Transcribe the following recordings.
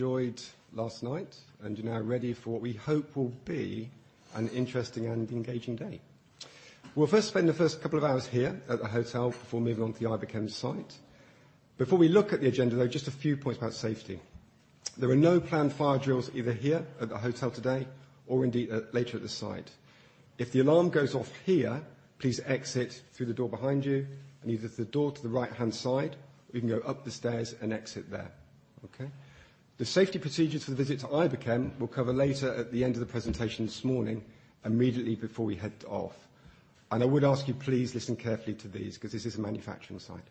Enjoyed last night and are now ready for what we hope will be an interesting and engaging day. We'll first spend the first couple of hours here at the hotel before moving on to the Iberchem site. Before we look at the agenda, though, just a few points about safety. There are no planned fire drills either here at the hotel today or indeed at, later at the site. If the alarm goes off here, please exit through the door behind you and either the door to the right-hand side, or you can go up the stairs and exit there. The safety procedures for the visit to Iberchem, we'll cover later at the end of the presentation this morning, immediately before we head off. I would ask you please listen carefully to these 'cause this is a manufacturing site.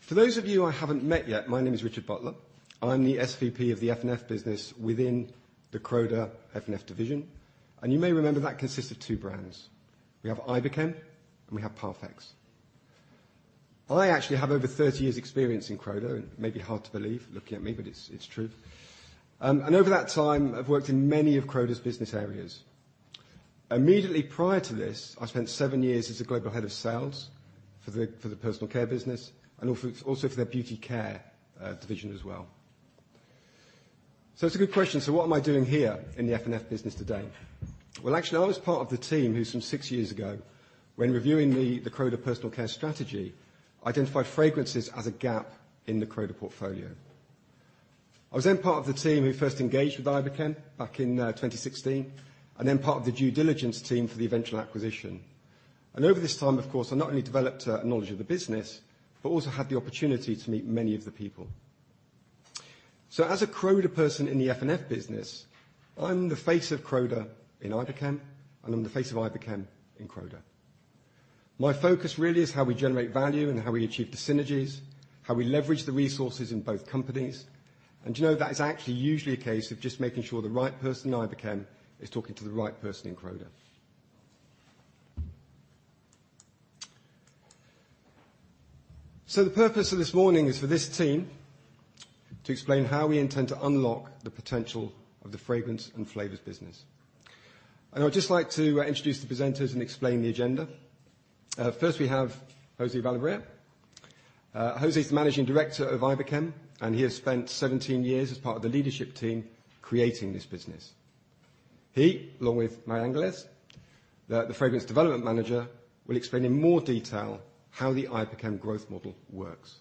For those of you I haven't met yet, my name is Richard Butler. I'm the SVP of the F&F business within the Croda F&F division, and you may remember that consists of two brands. We have Iberchem, and we have Parfex. I actually have over 30 years' experience in Croda, and it may be hard to believe looking at me, but it's true. And over that time, I've worked in many of Croda's business areas. Immediately prior to this, I spent seven years as the global head of sales for the personal care business and also for their beauty care division as well. It's a good question. What am I doing here in the F&F business today? Well, actually, I was part of the team who some six years ago when reviewing the Croda personal care strategy, identified fragrances as a gap in the Croda portfolio. I was then part of the team who first engaged with Iberchem back in 2016 and then part of the due diligence team for the eventual acquisition. Over this time, of course, I not only developed a knowledge of the business but also had the opportunity to meet many of the people. As a Croda person in the F&F business, I'm the face of Croda in Iberchem, and I'm the face of Iberchem in Croda. My focus really is how we generate value and how we achieve the synergies, how we leverage the resources in both companies, and you know, that is actually usually a case of just making sure the right person in Iberchem is talking to the right person in Croda. The purpose of this morning is for this team to explain how we intend to unlock the potential of the Fragrance and Flavors business. I'd just like to introduce the presenters and explain the agenda. First, we have José Balibrea. José's the managing director of Iberchem, and he has spent 17 years as part of the leadership team creating this business. He, along with María Ángeles, the fragrance development manager, will explain in more detail how the Iberchem growth model works.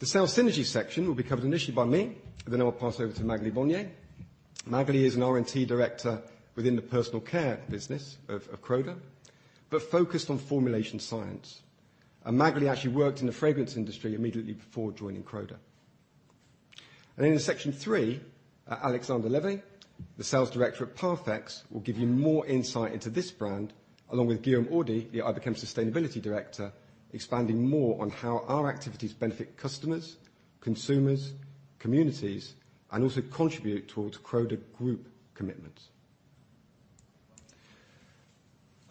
The sales synergy section will be covered initially by me, and then I'll pass over to Magali Bonnier. Magali is an R&T Director within the personal care business of Croda but focused on formulation science. Magali actually worked in the fragrance industry immediately before joining Croda. In section three, Alexandre Levet, the Sales Director at Parfex, will give you more insight into this brand, along with Guillaume Audy, the Iberchem Sustainability Director, expanding more on how our activities benefit customers, consumers, communities, and also contribute towards Croda Group commitments.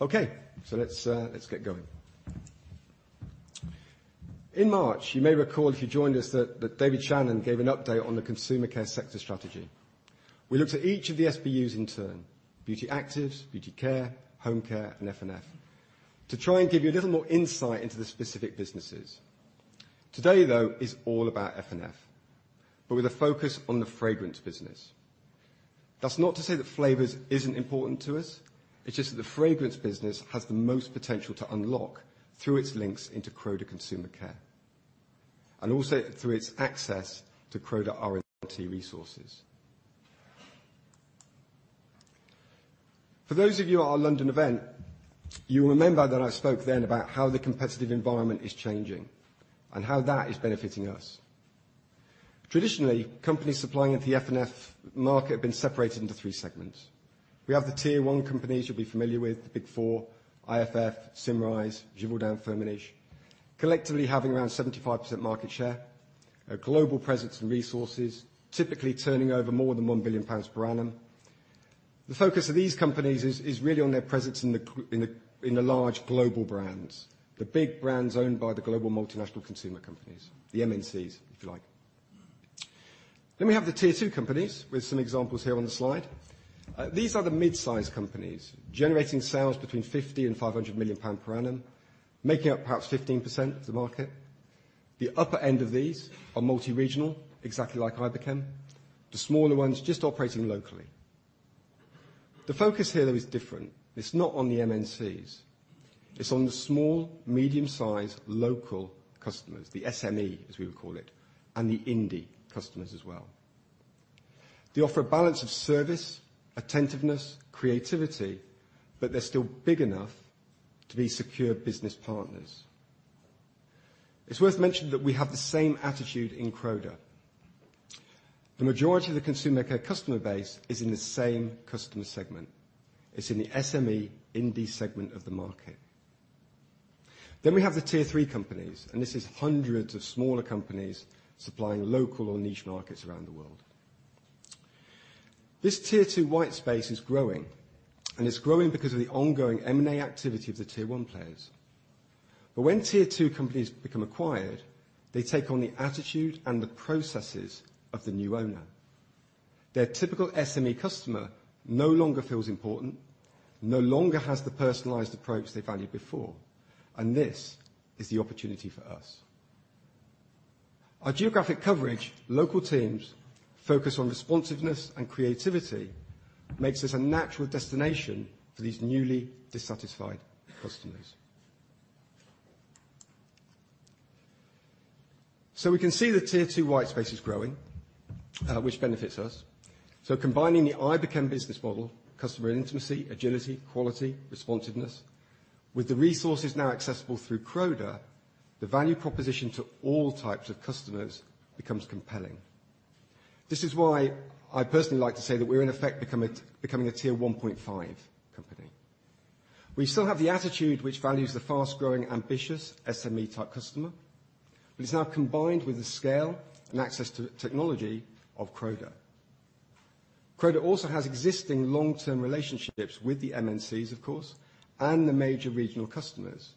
Okay, let's get going. In March, you may recall if you joined us that David Shannon gave an update on the consumer care sector strategy. We looked at each of the SBUs in turn, Beauty Actives, Beauty Care, Home Care, and F&F, to try and give you a little more insight into the specific businesses. Today, though, is all about F&F but with a focus on the Fragrance business. That's not to say that Flavours isn't important to us. It's just that the fragrance business has the most potential to unlock through its links into Croda Consumer Care and also through its access to Croda R&T resources. For those of you at our London event, you will remember that I spoke then about how the competitive environment is changing and how that is benefiting us. Traditionally, companies supplying into the F&F market have been separated into three segments. We have the Tier 1 companies you'll be familiar with, the big four, IFF, Symrise, Givaudan, Firmenich, collectively having around 75% market share, a global presence and resources, typically turning over more than 1 billion pounds per annum. The focus of these companies is really on their presence in the large global brands, the big brands owned by the global multinational consumer companies, the MNCs, if you like. We have the Tier 2 companies with some examples here on the slide. These are the midsize companies generating sales between 50 million and 500 million pounds per annum, making up perhaps 15% of the market. The upper end of these are multi-regional, exactly like Iberchem. The focus here, though, is different. It's not on the MNCs. It's on the small, medium-sized local customers, the SME, as we would call it, and the indie customers as well. They offer a balance of service, attentiveness, creativity, but they're still big enough to be secure business partners. It's worth mentioning that we have the same attitude in Croda. The majority of the Consumer Care customer base is in the same customer segment. It's in the SME indie segment of the market. We have the Tier 3 companies, and this is hundreds of smaller companies supplying local or niche markets around the world. This Tier 2 white space is growing, and it's growing because of the ongoing M&A activity of the Tier 1 players. When Tier 2 companies become acquired, they take on the attitude and the processes of the new owner. Their typical SME customer no longer feels important, no longer has the personalized approach they valued before, and this is the opportunity for us. Our geographic coverage, local teams, focus on responsiveness and creativity makes us a natural destination for these newly dissatisfied customers. We can see the Tier 2 white space is growing, which benefits us. Combining the Iberchem business model, customer intimacy, agility, quality, responsiveness with the resources now accessible through Croda, the value proposition to all types of customers becomes compelling. This is why I personally like to say that we're in effect becoming a Tier 1.5 company. We still have the attitude which values the fast-growing, ambitious SME-type customer, but it's now combined with the scale and access to technology of Croda. Croda also has existing long-term relationships with the MNCs of course, and the major regional customers,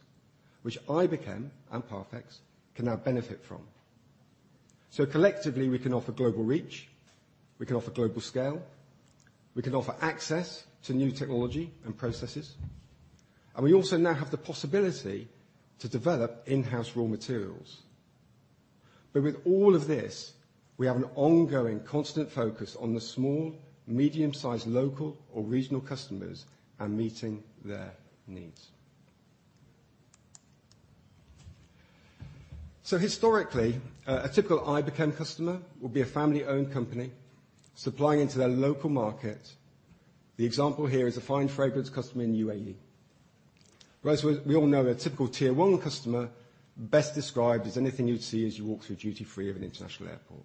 which Iberchem and Parfex can now benefit from. Collectively we can offer global reach, we can offer global scale, we can offer access to new technology and processes, and we also now have the possibility to develop in-house raw materials. With all of this, we have an ongoing constant focus on the small medium-sized local or regional customers and meeting their needs. Historically, a typical Iberchem customer will be a family-owned company supplying into their local market. The example here is a fine fragrance customer in UAE. Plus, we all know their typical Tier 1 customer best described as anything you'd see as you walk through duty-free of an international airport.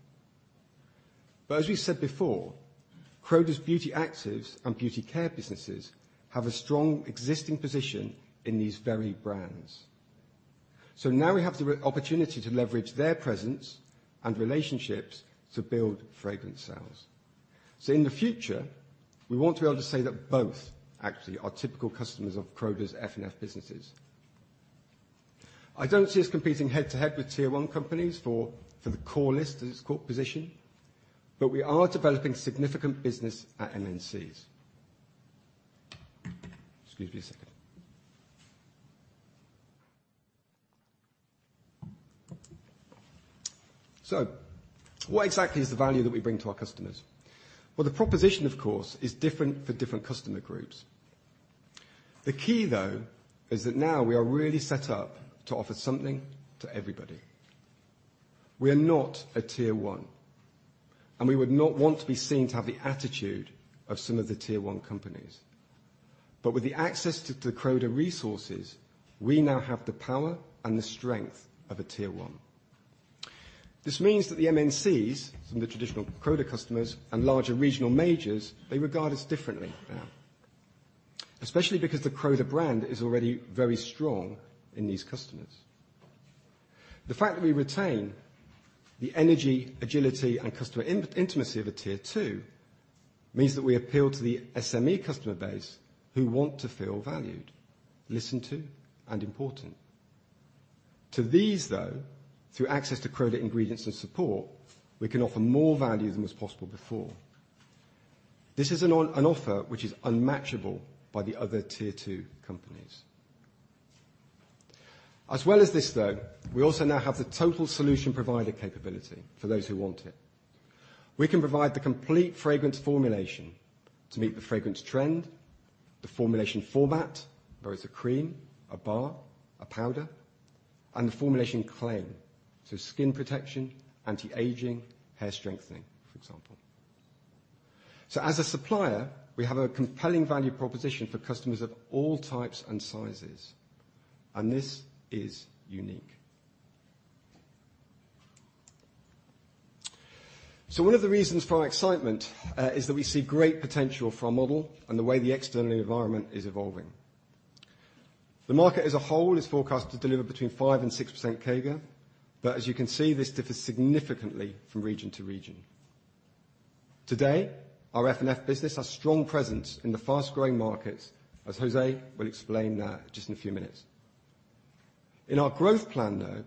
As we said before, Croda's Beauty Actives and Beauty Care businesses have a strong existing position in these very brands. Now we have the opportunity to leverage their presence and relationships to build fragrance sales. In the future, we want to be able to say that both actually are typical customers of Croda's F&F businesses. I don't see us competing head-to-head with Tier 1 companies for the core list as its core position, but we are developing significant business at MNCs. Excuse me a second. What exactly is the value that we bring to our customers? Well, the proposition, of course, is different for different customer groups. The key though is that now we are really set up to offer something to everybody. We are not a Tier 1, and we would not want to be seen to have the attitude of some of the Tier 1 companies. With the access to Croda resources, we now have the power and the strength of a Tier 1. This means that the MNCs, some of the traditional Croda customers and larger regional majors, they regard us differently now, especially because the Croda brand is already very strong in these customers. The fact that we retain the energy, agility, and customer intimacy of a Tier 2 means that we appeal to the SME customer base who want to feel valued, listened to, and important. To these though, through access to Croda ingredients and support, we can offer more value than was possible before. This is an offer which is unmatchable by the other Tier 2 companies. As well as this though, we also now have the total solution provider capability for those who want it. We can provide the complete fragrance formulation to meet the fragrance trend, the formulation format, whether it's a cream, a bar, a powder, and the formulation claim to skin protection, anti-aging, hair strengthening, for example. As a supplier, we have a compelling value proposition for customers of all types and sizes, and this is unique. One of the reasons for our excitement is that we see great potential for our model and the way the external environment is evolving. The market as a whole is forecasted to deliver 5%-6% CAGR, but as you can see, this differs significantly from region to region. Today, our F&F business has strong presence in the fast-growing markets, as José will explain that just in a few minutes. In our growth plan though,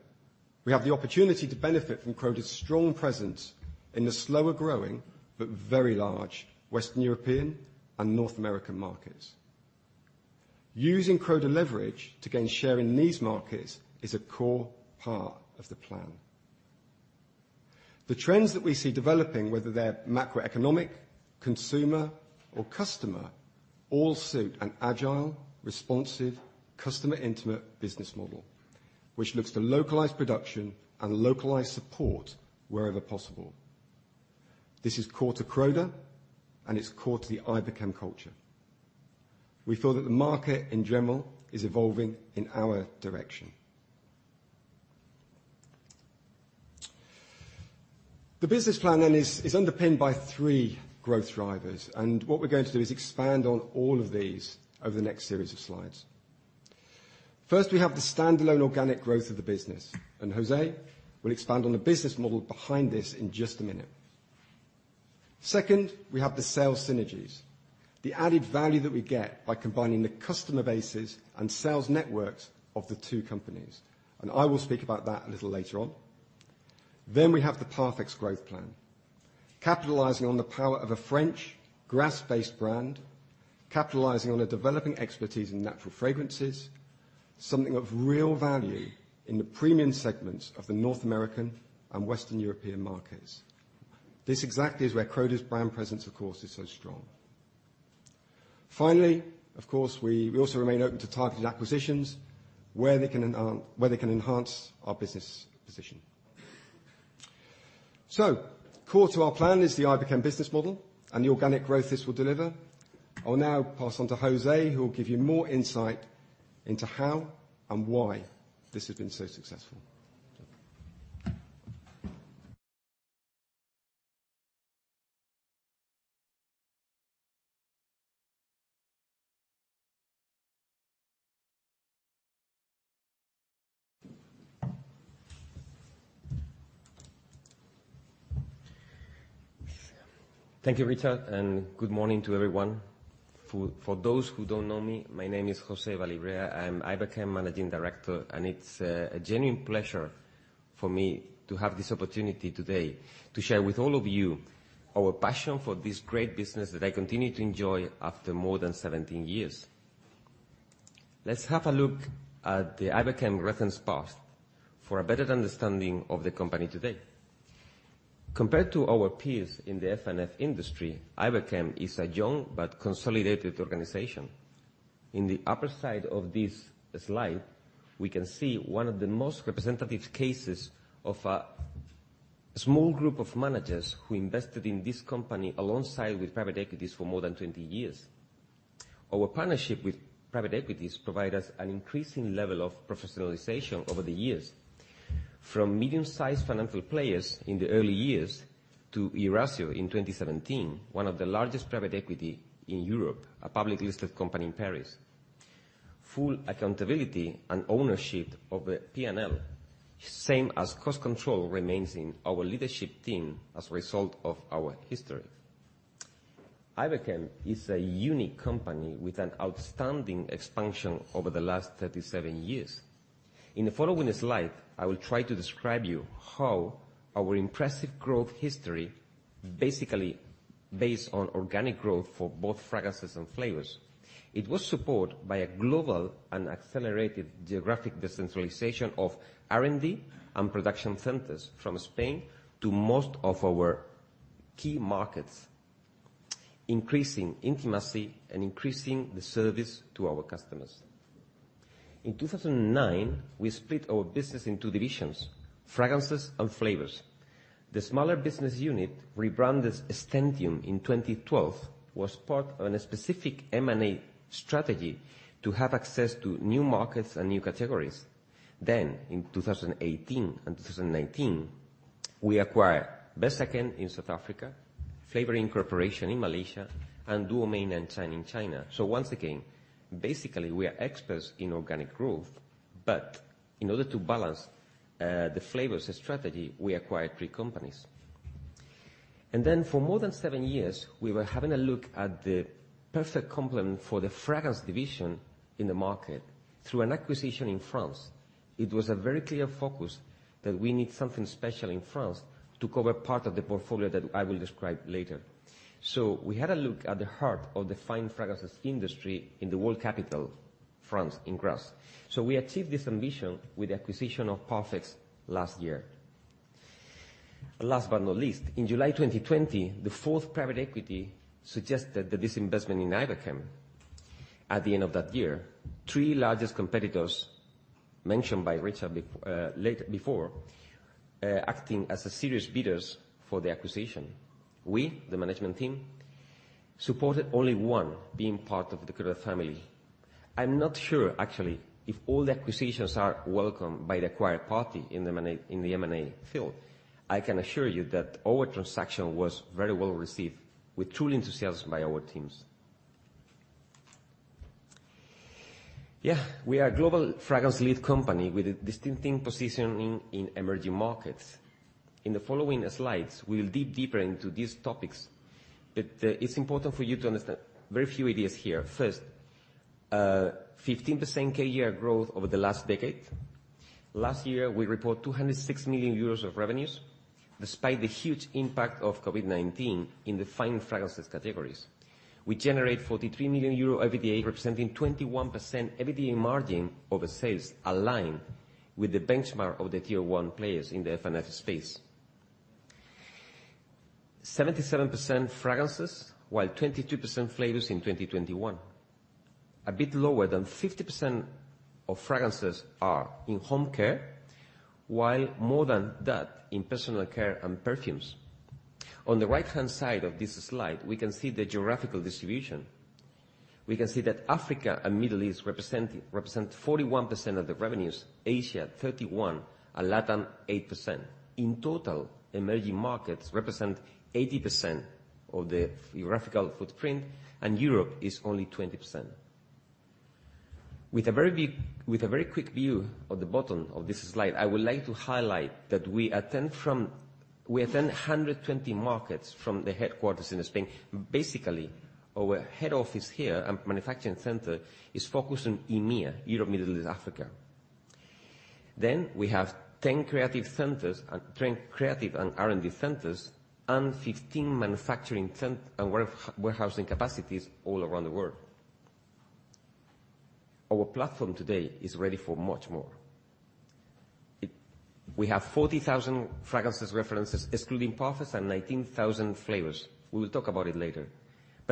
we have the opportunity to benefit from Croda's strong presence in the slower growing but very large Western European and North American markets. Using Croda leverage to gain share in these markets is a core part of the plan. The trends that we see developing, whether they're macroeconomic, consumer or customer, all suit an agile, responsive, customer intimate business model, which looks to localize production and localize support wherever possible. This is core to Croda and it's core to the Iberchem culture. We feel that the market in general is evolving in our direction. The business plan then is underpinned by three growth drivers, and what we're going to do is expand on all of these over the next series of slides. First, we have the standalone organic growth of the business, and José will expand on the business model behind this in just a minute. Second, we have the sales synergies. The added value that we get by combining the customer bases and sales networks of the two companies, and I will speak about that a little later on. We have the Parfex growth plan, capitalizing on the power of a French Grasse-based brand, capitalizing on a developing expertise in natural fragrances, something of real value in the premium segments of the North American and Western European markets. This exactly is where Croda's brand presence, of course, is so strong. Finally, of course, we also remain open to targeted acquisitions where they can enhance our business position. Core to our plan is the Iberchem business model and the organic growth this will deliver. I will now pass on to José, who will give you more insight into how and why this has been so successful. Thank you, Richard, and good morning to everyone. For those who don't know me, my name is José Balibrea. I'm Iberchem Managing Director, and it's a genuine pleasure for me to have this opportunity today to share with all of you our passion for this great business that I continue to enjoy after more than 17 years. Let's have a look at the Iberchem reference path for a better understanding of the company today. Compared to our peers in the F&F industry, Iberchem is a young but consolidated organization. In the upper side of this slide, we can see one of the most representative cases of a small group of managers who invested in this company alongside with private equities for more than 20 years. Our partnership with private equities provide us an increasing level of professionalization over the years. From medium-sized financial players in the early years to Eurazeo in 2017, one of the largest private equity in Europe, a public listed company in Paris. Full accountability and ownership of the P&L, same as cost control, remains in our leadership team as a result of our history. Iberchem is a unique company with an outstanding expansion over the last 37 years. In the following slide, I will try to describe you how our impressive growth history basically based on organic growth for both fragrances and flavors. It was supported by a global and accelerated geographic decentralization of R&D and production centers from Spain to most of our key markets, increasing intimacy and increasing the service to our customers. In 2009, we split our business in two divisions, fragrances and flavors. The smaller business unit, rebranded Scentium in 2012, was part of a specific M&A strategy to have access to new markets and new categories. In 2018 and 2019, we acquired Versachem in South Africa, Flavor Inn Corporation in Malaysia, and Duomei Nanchang in China. Once again, basically, we are experts in organic growth, but in order to balance the flavors strategy, we acquired three companies. For more than seven years, we were having a look at the perfect complement for the Fragrance division in the market through an acquisition in France. It was a very clear focus that we need something special in France to cover part of the portfolio that I will describe later. We had a look at the heart of the fine fragrances industry in the world capital, France, in Grasse. We achieved this ambition with the acquisition of Parfex last year. Last but not least, in July 2020, the former private equity suggested the disinvestment in Iberchem. At the end of that year, the three largest competitors mentioned by Richard before, acting as serious bidders for the acquisition. We, the management team, supported only one being part of the Croda family. I'm not sure actually if all the acquisitions are welcomed by the acquired party in the M&A field. I can assure you that our transaction was very well received with true enthusiasm by our teams. Yeah, we are a global fragrance-led company with a distinctive positioning in emerging markets. In the following slides, we'll dig deeper into these topics, but it's important for you to understand very few ideas here. First, 15% CAGR over the last decade. Last year, we report 206 million euros of revenues, despite the huge impact of COVID-19 in the fine fragrances categories. We generate 43 million euro EBITDA, representing 21% EBITDA margin over sales aligned with the benchmark of the Tier 1 players in the F&F space. 77% fragrances, while 22% flavors in 2021. A bit lower than 50% of fragrances are in home care, while more than that in personal care and perfumes. On the right-hand side of this slide, we can see the geographical distribution. We can see that Africa and Middle East represent 41% of the revenues, Asia 31%, and LatAm 8%. In total, emerging markets represent 80% of the geographical footprint, and Europe is only 20%. With a very quick view of the bottom of this slide, I would like to highlight that we attend 120 markets from the headquarters in Spain. Basically, our head office here and manufacturing center is focused on EMEA, Europe, Middle East, Africa. We have 10 creative centers and trend creative and R&D centers, and 15 manufacturing and warehousing capacities all around the world. Our platform today is ready for much more. It. We have 40,000 fragrances references excluding parfums and 19,000 flavours. We will talk about it later.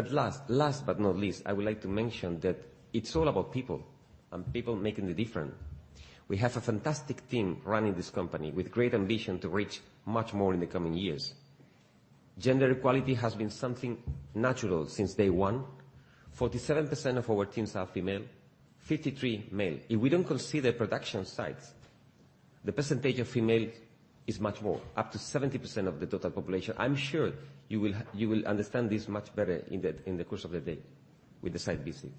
Last but not least, I would like to mention that it's all about people and people making the difference. We have a fantastic team running this company with great ambition to reach much more in the coming years. Gender equality has been something natural since day one. 47% of our teams are female, 53% male. If we don't consider production sites, the percentage of female is much more, up to 70% of the total population. I'm sure you will understand this much better in the course of the day with the site visit.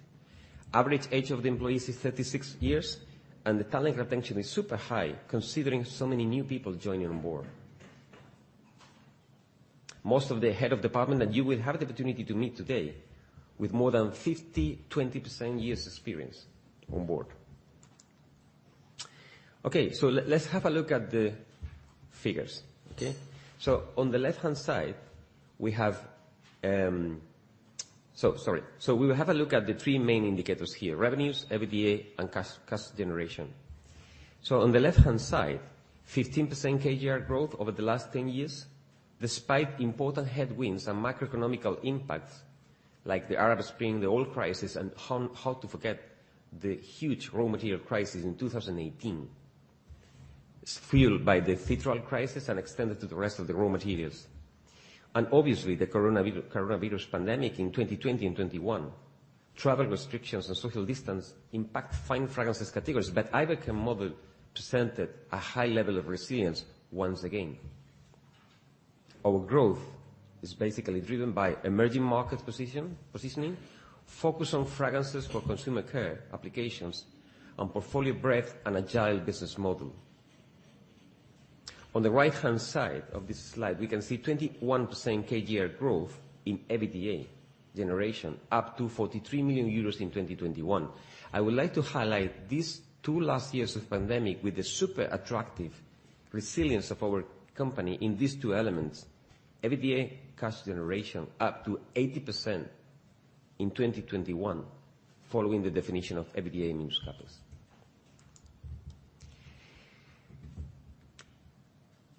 Average age of the employees is 36 years, and the talent retention is super high, considering so many new people joining on board. Most of the head of department and you will have the opportunity to meet today with more than 50 20% years' experience on board. Let's have a look at the figures. On the left-hand side, we have, sorry. We will have a look at the three main indicators here, revenues, EBITDA, and cash generation. On the left-hand side, 15% CAGR growth over the last 10 years, despite important headwinds and macroeconomic impacts like the Arab Spring, the oil crisis, and how to forget the huge raw material crisis in 2018, fueled by the citral crisis and extended to the rest of the raw materials. Obviously the coronavirus pandemic in 2020 and 2021. Travel restrictions and social distancing impact fine fragrances categories, but our business model presented a high level of resilience once again. Our growth is basically driven by emerging markets positioning, focus on fragrances for Consumer Care applications, and portfolio breadth and agile business model. On the right-hand side of this slide, we can see 21% CAGR growth in EBITDA generation, up to 43 million euros in 2021. I would like to highlight these two last years of pandemic with the super attractive resilience of our company in these two elements. EBITDA cash generation up to 80% in 2021 following the definition of EBITDA minus capitals.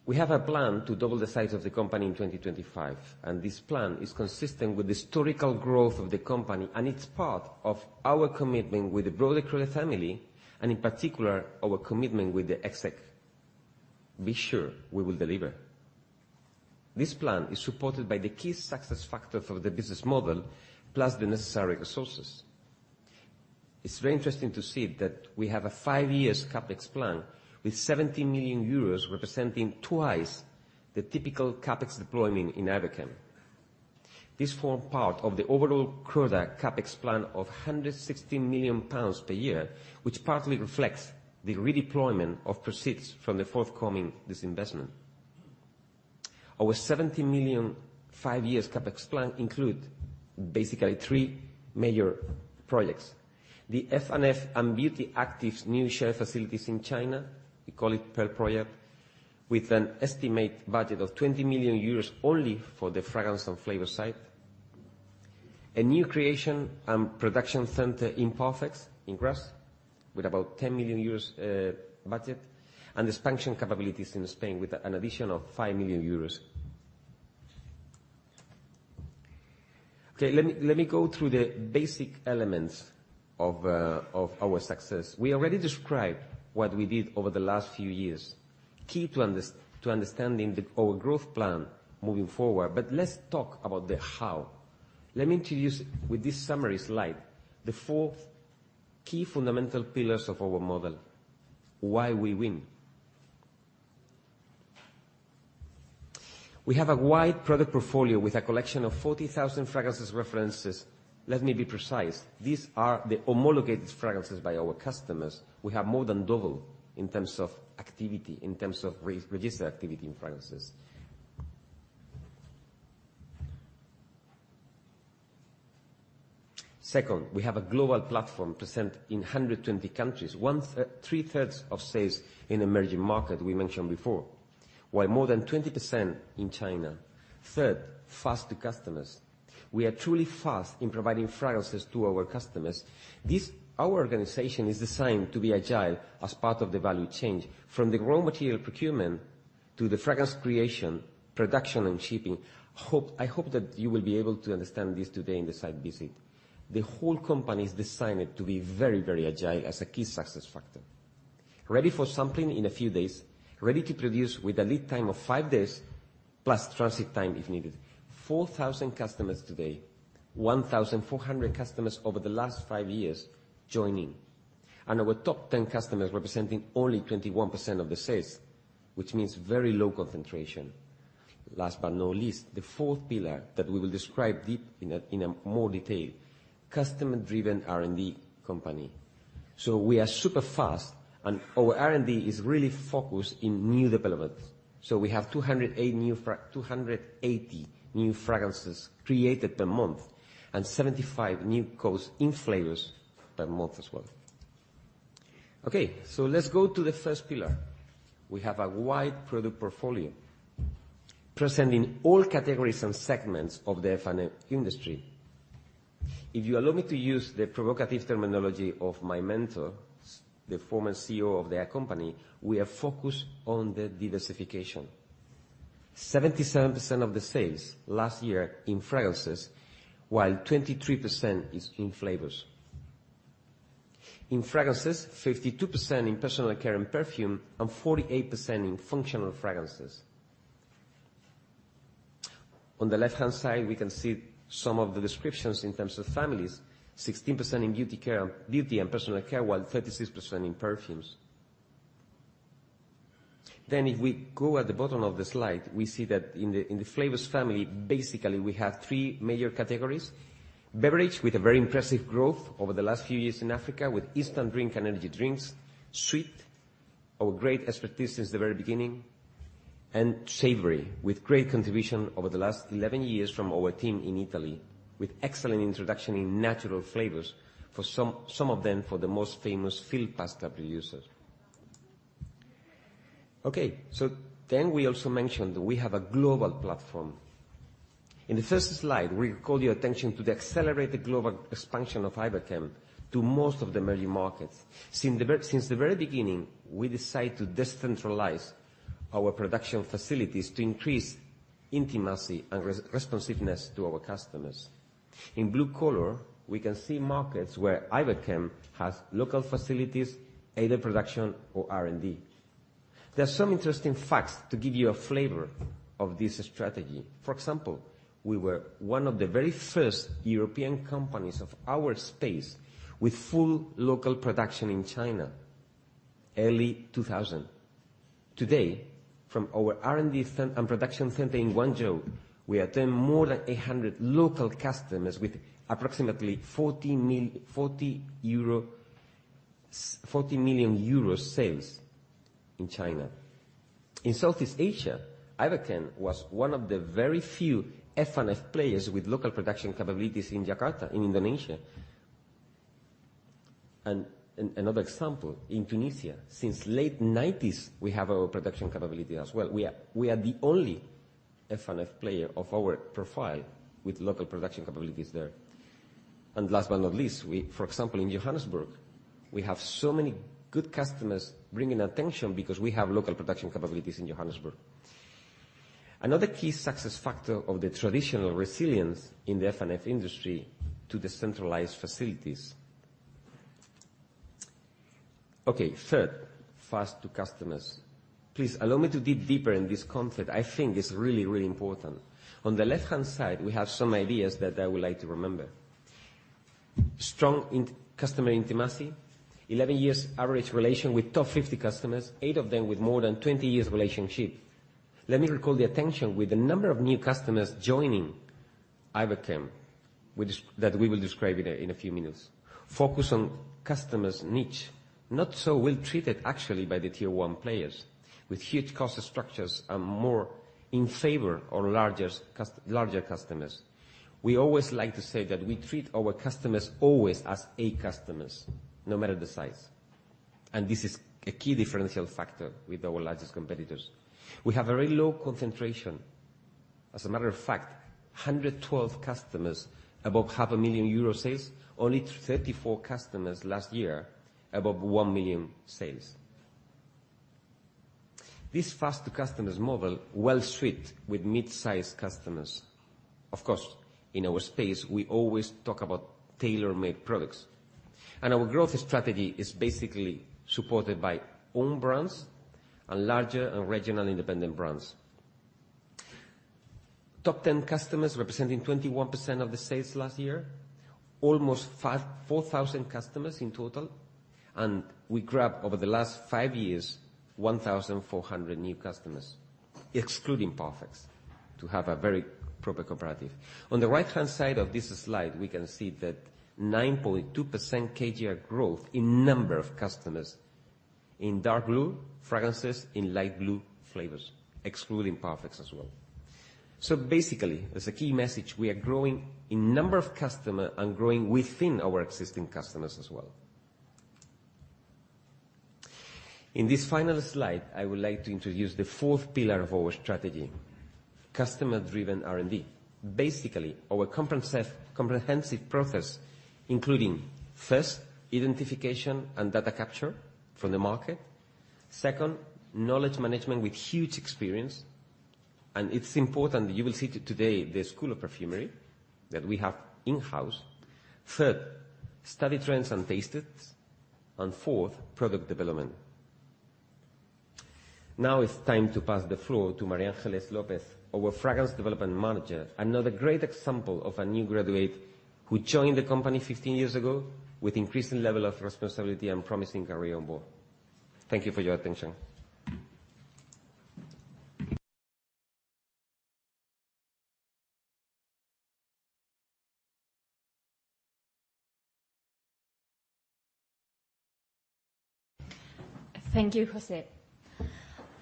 We have a plan to double the size of the company in 2025, and this plan is consistent with the historical growth of the company, and it's part of our commitment with the broader Croda family and in particular, our commitment with the exec. Be sure we will deliver. This plan is supported by the key success factor for the business model plus the necessary resources. It's very interesting to see that we have a five-year CapEx plan with 70 million euros representing twice the typical CapEx deployment in Iberchem. This form part of the overall Croda CapEx plan of 160 million pounds per year, which partly reflects the redeployment of proceeds from the forthcoming disinvestment. Our 70 million five-year CapEx plan include basically three major projects. The F&F and Beauty Actives new shared facilities in China, we call it Pearl project, with an estimated budget of 20 million euros only for the Fragrance and Flavour side. A new creation production center in Parfex in Grasse with about 10 million euros budget, and expansion capabilities in Spain with an addition of 5 million euros. Okay. Let me go through the basic elements of our success. We already described what we did over the last few years, key to understanding our growth plan moving forward, but let's talk about the how. Let me introduce with this summary slide the four key fundamental pillars of our model, why we win. We have a wide product portfolio with a collection of 40,000 fragrances references. Let me be precise. These are the homologated fragrances by our customers. We have more than double in terms of activity, in terms of re-registered activity in fragrances. Second, we have a global platform present in 120 countries. One-third of sales in emerging market we mentioned before. While more than 20% in China. Third, fast to customers. We are truly fast in providing fragrances to our customers. Our organization is designed to be agile as part of the value chain, from the raw material procurement to the fragrance creation, production, and shipping. I hope that you will be able to understand this today in the site visit. The whole company is designed to be very, very agile as a key success factor. Ready for sampling in a few days. Ready to produce with a lead time of five days plus transit time if needed. 4,000 customers today, 1,400 customers over the last five years joining, and our top 10 customers representing only 21% of the sales, which means very low concentration. Last but not least, the fourth pillar that we will describe in more detail, customer-driven R&D company. We are super fast and our R&D is really focused in new developments. We have 280 new fragrances created per month, and 75 new codes in Flavours per month as well. Let's go to the first pillar. We have a wide product portfolio presenting all categories and segments of the F&F industry. If you allow me to use the provocative terminology of my mentor, the former CEO of their company, we are focused on the diversification. 77% of the sales last year in fragrances, while 23% is in Flavours. In Fragrances, 52% in personal care and perfume, and 48% in functional fragrances. On the left-hand side, we can see some of the descriptions in terms of families. 16% in Beauty Care, Beauty and Personal Care, while 36% in Perfumes. If we go at the bottom of the slide, we see that in the Flavours family, basically we have three major categories: beverage with a very impressive growth over the last few years in Africa with instant drink and energy drinks, sweet, our great expertise since the very beginning, and savory with great contribution over the last 11 years from our team in Italy with excellent introduction in natural flavors for some of them for the most famous filled pasta producers. Okay, so then we also mentioned we have a global platform. In the first slide, we call your attention to the accelerated global expansion of Iberchem to most of the emerging markets. Since the very beginning, we decide to decentralize our production facilities to increase intimacy and responsiveness to our customers. In blue color, we can see markets where Iberchem has local facilities, either production or R&D. There are some interesting facts to give you a flavor of this strategy. For example, we were one of the very first European companies of our space with full local production in China, early 2000. Today, from our R&D and production center in Guangzhou, we attend more than 800 local customers with approximately EUR 40 million sales in China. In Southeast Asia, Iberchem was one of the very few F&F players with local production capabilities in Jakarta, in Indonesia. Another example, in Tunisia, since late 1990s we have our production capability as well. We are the only F&F player of our profile with local production capabilities there. Last but not least, we, for example, in Johannesburg, we have so many good customers bringing attention because we have local production capabilities in Johannesburg. Another key success factor of the traditional resilience in the F&F industry to the centralized facilities. Third, fast to customers. Please allow me to dig deeper in this concept I think is really, really important. On the left-hand side, we have some ideas that I would like to remember. Strong customer intimacy. 11 years average relation with top 50 customers, eight of them with more than 20 years relationship. Let me recall the addition with the number of new customers joining Iberchem, which we will describe in a few minutes. Focus on customer niches, not so well treated actually by the Tier 1 players with huge cost structures and more in favor of larger customers. We always like to say that we treat our customers always as A customers, no matter the size. This is a key differential factor with our largest competitors. We have a very low concentration. As a matter of fact, 112 customers above half a million EUR sales. Only 34 customers last year above 1 million sales. This fast to customers model well suit with mid-size customers. Of course, in our space, we always talk about tailor-made products, and our growth strategy is basically supported by own brands and larger and regional independent brands. Top 10 customers representing 21% of the sales last year. Almost 4,000 customers in total, and we grab over the last five years 1,400 new customers, excluding Parfex, to have a very proper comparative. On the right-hand side of this slide, we can see that 9.2% CAGR growth in number of customers. In dark blue, fragrances. In light blue, flavors, excluding Parfex as well. Basically, as a key message, we are growing in number of customer and growing within our existing customers as well. In this final slide, I would like to introduce the fourth pillar of our strategy, customer-driven R&D. Basically, our comprehensive process, including first, identification and data capture from the market. Second, knowledge management with huge experience, and it's important you will see today the School of Perfumery that we have in-house. Third, study trends and taste tests. Fourth, product development. Now it's time to pass the floor to María Ángeles Lopez, our Fragrance Development Manager, another great example of a new graduate who joined the company 15 years ago with increasing level of responsibility and promising career on board. Thank you for your attention. Thank you, José.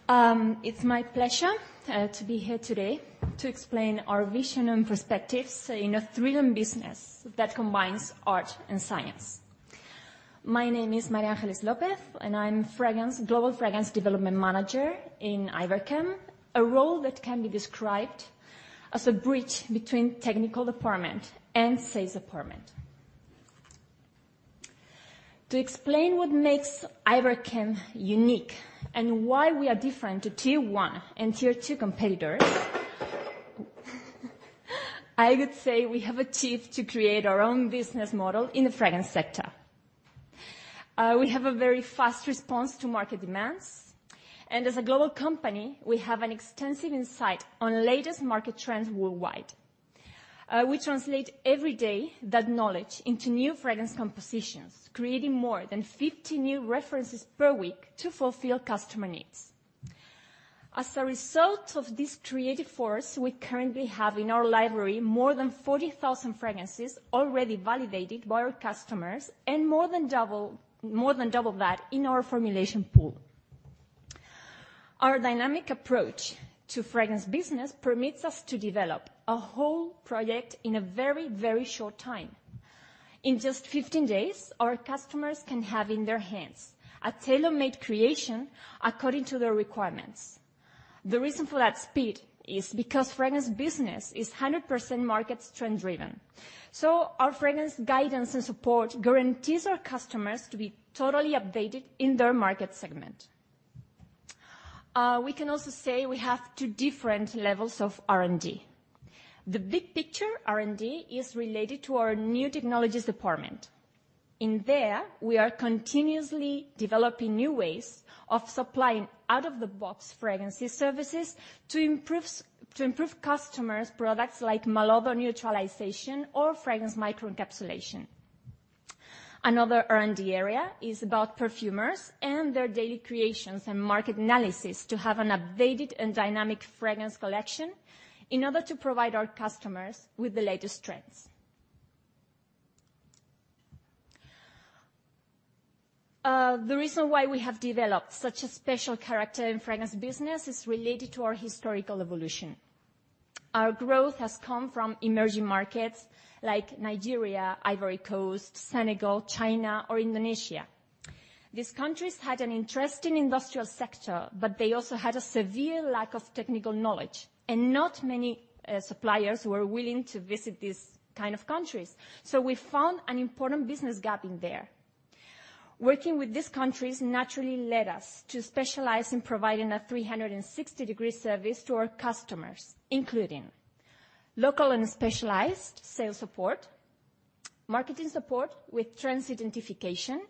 It's my pleasure to be here today to explain our vision and perspectives in a thrilling business that combines art and science. My name is María Ángeles Lopez, and I'm global fragrance development manager in Iberchem, a role that can be described as a bridge between technical department and sales department. To explain what makes Iberchem unique and why we are different to Tier 1 and Tier 2 competitors, I would say we have achieved to create our own business model in the fragrance sector. We have a very fast response to market demands, and as a global company, we have an extensive insight on latest market trends worldwide. We translate every day that knowledge into new fragrance compositions, creating more than 50 new references per week to fulfill customer needs. As a result of this creative force, we currently have in our library more than 40,000 fragrances already validated by our customers and more than double that in our formulation pool. Our dynamic approach to fragrance business permits us to develop a whole project in a very short time. In just 15 days, our customers can have in their hands a tailor-made creation according to their requirements. The reason for that speed is because fragrance business is 100% market trend driven. Our fragrance guidance and support guarantees our customers to be totally updated in their market segment. We can also say we have two different levels of R&D. The big picture R&D is related to our new technologies department. In there, we are continuously developing new ways of supplying out-of-the-box fragrance services to improve customers products like malodor neutralization or fragrance microencapsulation. Another R&D area is about perfumers and their daily creations and market analysis to have an updated and dynamic fragrance collection in order to provide our customers with the latest trends. The reason why we have developed such a special character in fragrance business is related to our historical evolution. Our growth has come from emerging markets like Nigeria, Ivory Coast, Senegal, China or Indonesia. These countries had an interest in industrial sector, but they also had a severe lack of technical knowledge, and not many suppliers were willing to visit these kind of countries. We found an important business gap in there. Working with these countries naturally led us to specialize in providing a 360-degree service to our customers, including local and specialized sales support, marketing support with trends identification,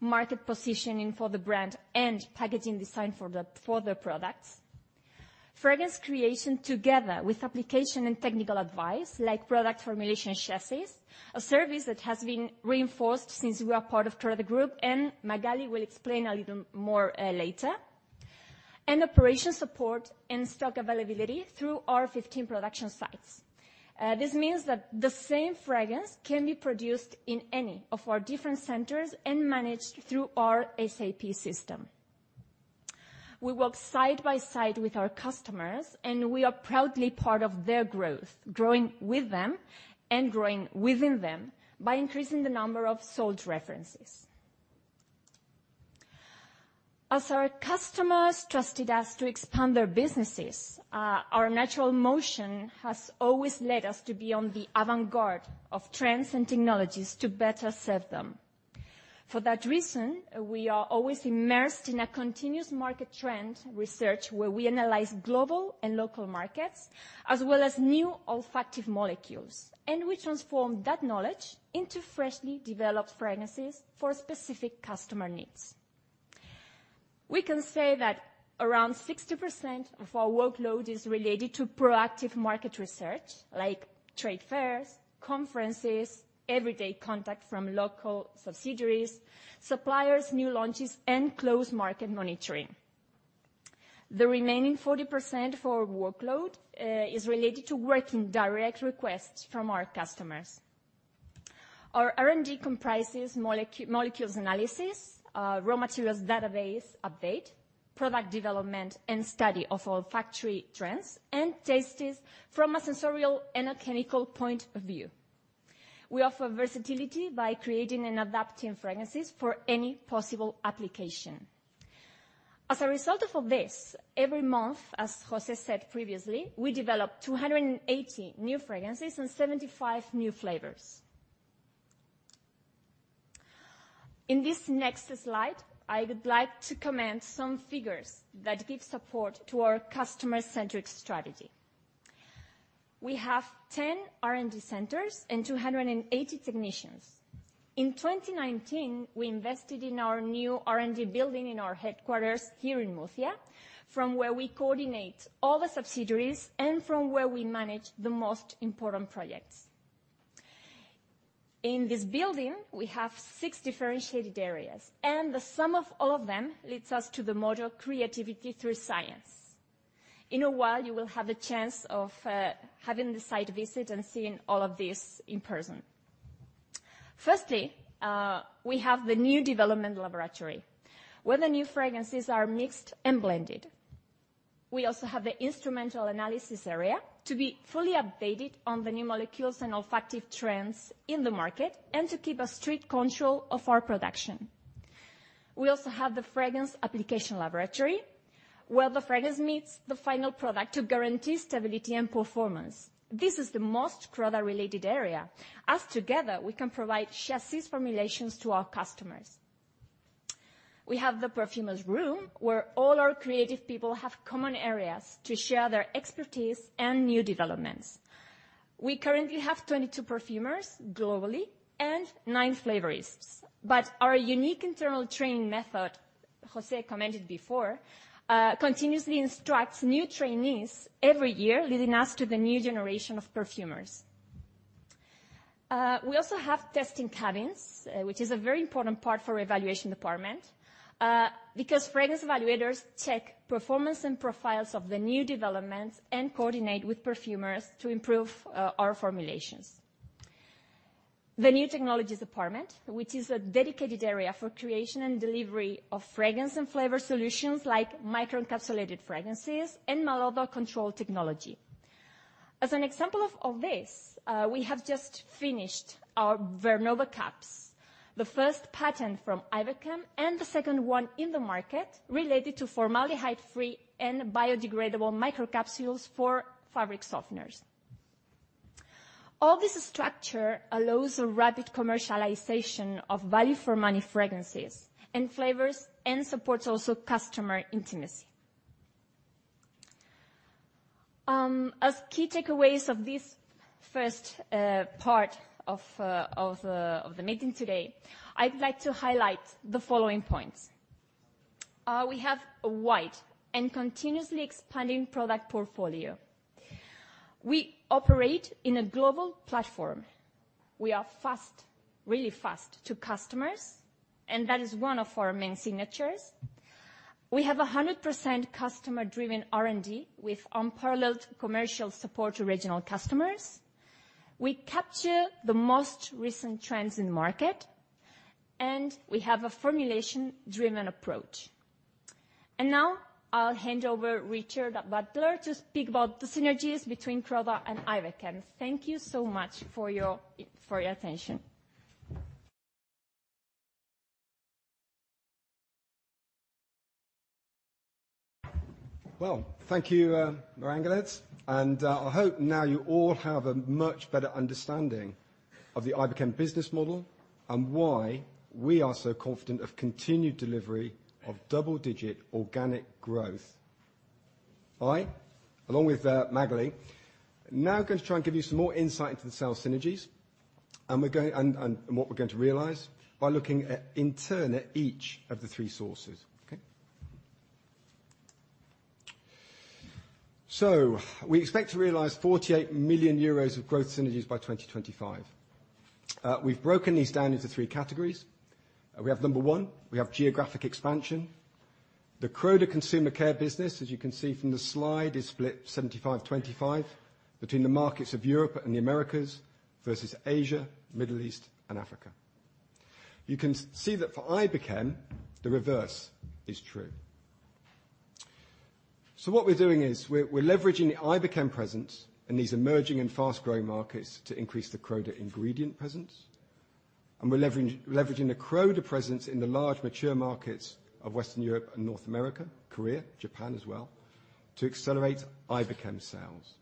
market positioning for the brand and packaging design for the products. Fragrance creation together with application and technical advice like product formulation chassis, a service that has been reinforced since we are part of Croda Group, and Magali will explain a little more later, and operation support and stock availability through our 15 production sites. This means that the same fragrance can be produced in any of our different centers and managed through our SAP system. We work side by side with our customers, and we are proudly part of their growth, growing with them and growing within them by increasing the number of sold references. As our customers trusted us to expand their businesses, our natural motion has always led us to be on the avant-garde of trends and technologies to better serve them. For that reason, we are always immersed in a continuous market trend research where we analyze global and local markets as well as new olfactive molecules, and we transform that knowledge into freshly developed fragrances for specific customer needs. We can say that around 60% of our workload is related to proactive market research like trade fairs, conferences, everyday contact from local subsidiaries, suppliers, new launches and close market monitoring. The remaining 40% for workload is related to working direct requests from our customers. Our R&D comprises molecules analysis, raw materials database update, product development, and study of olfactory trends and tastes from a sensorial and a chemical point of view. We offer versatility by creating and adapting fragrances for any possible application. As a result of all this, every month, as José said previously, we develop 280 new fragrances and 75 new flavours. In this next slide, I would like to comment some figures that give support to our customer-centric strategy. We have 10 R&D centers and 280 technicians. In 2019, we invested in our new R&D building in our headquarters here in Murcia, from where we coordinate all the subsidiaries and from where we manage the most important projects. In this building, we have six differentiated areas, and the sum of all of them leads us to the module Creativity through Science. In a while, you will have a chance of having the site visit and seeing all of these in person. Firstly, we have the new development laboratory, where the new fragrances are mixed and blended. We also have the instrumental analysis area to be fully updated on the new molecules and olfactive trends in the market, and to keep a strict control of our production. We also have the fragrance application laboratory, where the fragrance meets the final product to guarantee stability and performance. This is the most Croda-related area, as together we can provide chassis formulations to our customers. We have the perfumer's room, where all our creative people have common areas to share their expertise and new developments. We currently have 22 perfumers globally and 9 flavorists. Our unique internal training method, José commented before, continuously instructs new trainees every year, leading us to the new generation of perfumers. We also have testing cabins, which is a very important part for evaluation department, because fragrance evaluators check performance and profiles of the new developments and coordinate with perfumers to improve our formulations. The new technologies department, which is a dedicated area for creation and delivery of fragrance and flavor solutions like microencapsulated fragrances and malodor control technology. As an example of this, we have just finished our VernovaCaps, the first patent from Iberchem and the second one in the market related to formaldehyde-free and biodegradable microcapsules for fabric softeners. All this structure allows a rapid commercialization of value for money fragrances and flavors, and supports also customer intimacy. As key takeaways of this first part of the meeting today, I'd like to highlight the following points. We have a wide and continuously expanding product portfolio. We operate in a global platform. We are fast, really fast to customers, and that is one of our main signatures. We have 100% customer-driven R&D with unparalleled commercial support to regional customers. We capture the most recent trends in the market, and we have a formulation-driven approach. Now I'll hand over Richard Butler to speak about the synergies between Croda and Iberchem. Thank you so much for your attention. Well, thank you, María Ángeles Lopez. I hope now you all have a much better understanding of the Iberchem business model and why we are so confident of continued delivery of double-digit organic growth. I, along with, Magali Bonnier, now going to try and give you some more insight into the sales synergies, and what we're going to realize by looking at, in turn at each of the three sources, okay? We expect to realize 48 million euros of growth synergies by 2025. We've broken these down into three categories. We have number one, we have geographic expansion. The Croda Consumer Care business, as you can see from the slide, is split 75/25 between the markets of Europe and the Americas versus Asia, Middle East and Africa. You can see that for Iberchem, the reverse is true. What we're doing is we're leveraging the Iberchem presence in these emerging and fast-growing markets to increase the Croda ingredient presence. We're leveraging the Croda presence in the large mature markets of Western Europe and North America, Korea, Japan as well, to accelerate Iberchem sales.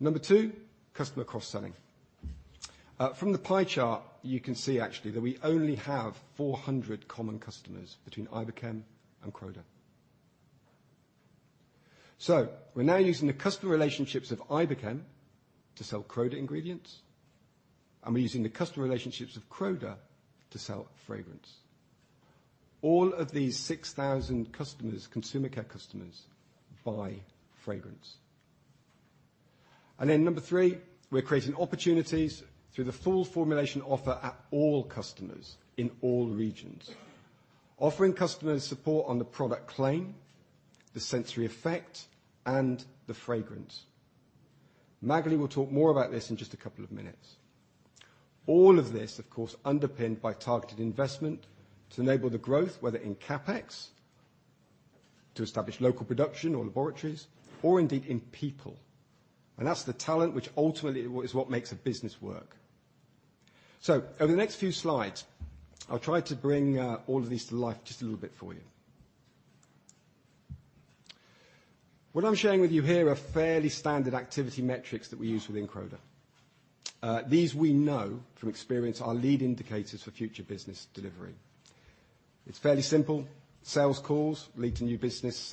Number two, customer cross-selling. From the pie chart, you can see actually that we only have 400 common customers between Iberchem and Croda. We're now using the customer relationships of Iberchem to sell Croda ingredients, and we're using the customer relationships of Croda to sell fragrance. All of these 6,000 customers, consumer care customers, buy fragrance. Number three, we're creating opportunities through the full formulation offer at all customers in all regions. Offering customers support on the product claim, the sensory effect, and the fragrance. Magali will talk more about this in just a couple of minutes. All of this, of course, underpinned by targeted investment to enable the growth, whether in CapEx, to establish local production or laboratories, or indeed in people. That's the talent which ultimately is what makes a business work. Over the next few slides, I'll try to bring all of these to life just a little bit for you. What I'm sharing with you here are fairly standard activity metrics that we use within Croda. These we know from experience are lead indicators for future business delivery. It's fairly simple. Sales calls lead to new business,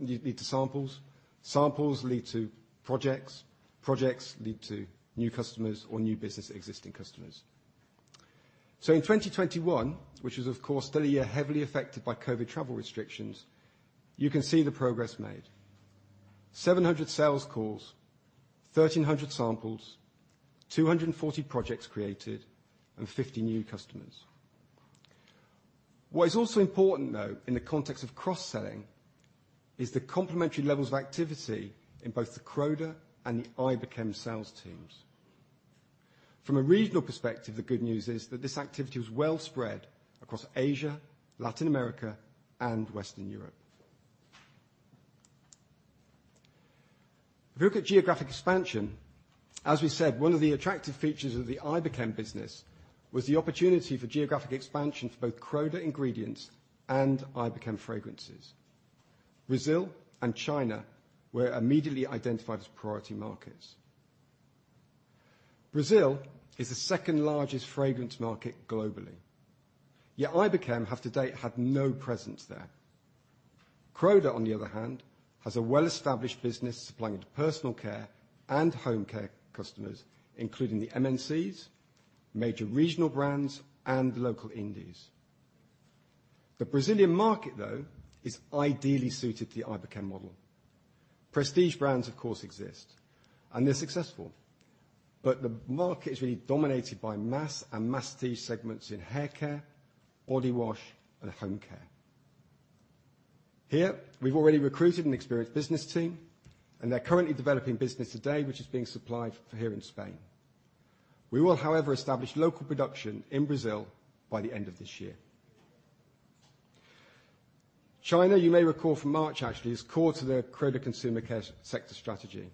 lead to samples. Samples lead to projects. Projects lead to new customers or new business existing customers. In 2021, which is of course still a year heavily affected by COVID travel restrictions, you can see the progress made. 700 sales calls, 1,300 samples, 240 projects created, and 50 new customers. What is also important though, in the context of cross-selling, is the complementary levels of activity in both the Croda and the Iberchem sales teams. From a regional perspective, the good news is that this activity was well spread across Asia, Latin America, and Western Europe. If you look at geographic expansion, as we said, one of the attractive features of the Iberchem business was the opportunity for geographic expansion for both Croda ingredients and Iberchem fragrances. Brazil and China were immediately identified as priority markets. Brazil is the second-largest fragrance market globally, yet Iberchem have to date had no presence there. Croda, on the other hand, has a well-established business supplying to personal care and home care customers, including the MNCs, major regional brands, and the local indies. The Brazilian market though, is ideally suited to the Iberchem model. Prestige brands of course exist, and they're successful, but the market is really dominated by mass and prestige segments in hair care, body wash, and home care. Here, we've already recruited an experienced business team, and they're currently developing business today which is being supplied from here in Spain. We will, however, establish local production in Brazil by the end of this year. China, you may recall from March actually, is core to the Croda Consumer Care sector strategy,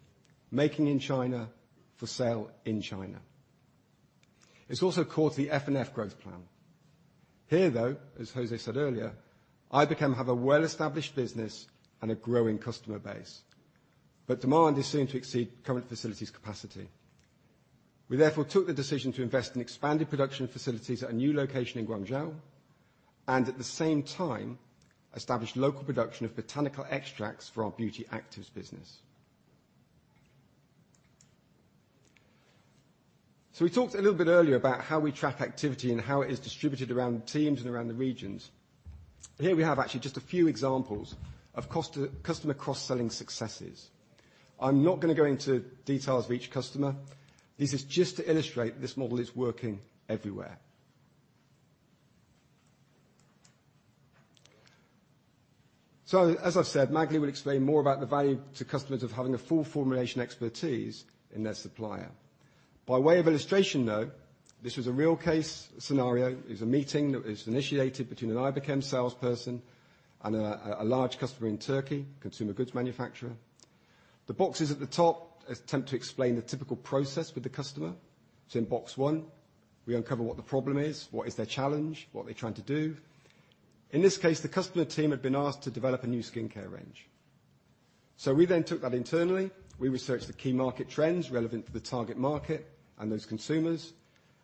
making in China for sale in China. It's also core to the F&F growth plan. Here though, as José said earlier, Iberchem have a well-established business and a growing customer base, but demand is soon to exceed current facilities capacity. We therefore took the decision to invest in expanded production facilities at a new location in Guangzhou, and at the same time, established local production of botanical extracts for our Beauty Actives business. We talked a little bit earlier about how we track activity and how it is distributed around teams and around the regions. Here we have actually just a few examples of customer cross-selling successes. I'm not gonna go into details of each customer. This is just to illustrate this model is working everywhere. As I said, Magali will explain more about the value to customers of having a full formulation expertise in their supplier. By way of illustration, though, this was a real case scenario. It was a meeting that was initiated between an Iberchem salesperson and a large customer in Turkey, consumer goods manufacturer. The boxes at the top attempt to explain the typical process with the customer. In box one, we uncover what the problem is, what is their challenge, what they're trying to do. In this case, the customer team had been asked to develop a new skincare range. We then took that internally. We researched the key market trends relevant to the target market and those consumers,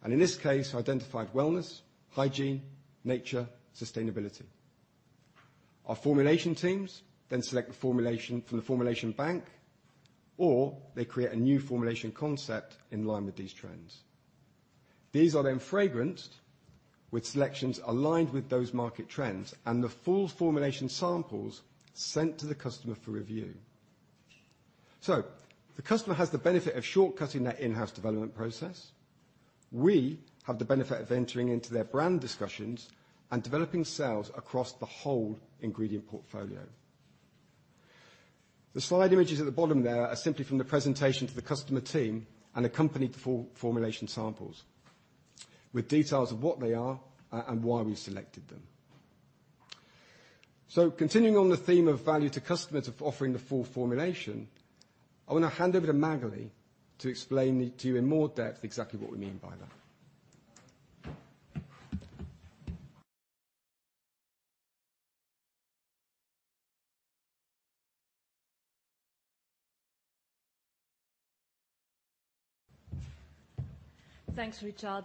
and in this case, identified wellness, hygiene, nature, sustainability. Our formulation teams then select the formulation from the formulation bank, or they create a new formulation concept in line with these trends. These are then fragranced with selections aligned with those market trends, and the full formulation samples sent to the customer for review. The customer has the benefit of shortcutting that in-house development process. We have the benefit of entering into their brand discussions and developing sales across the whole ingredient portfolio. The slide images at the bottom there are simply from the presentation to the customer team and accompanied full formulation samples with details of what they are and why we selected them. Continuing on the theme of value to customers of offering the full formulation, I want to hand over to Magali to explain it to you in more depth exactly what we mean by that. Thanks, Richard.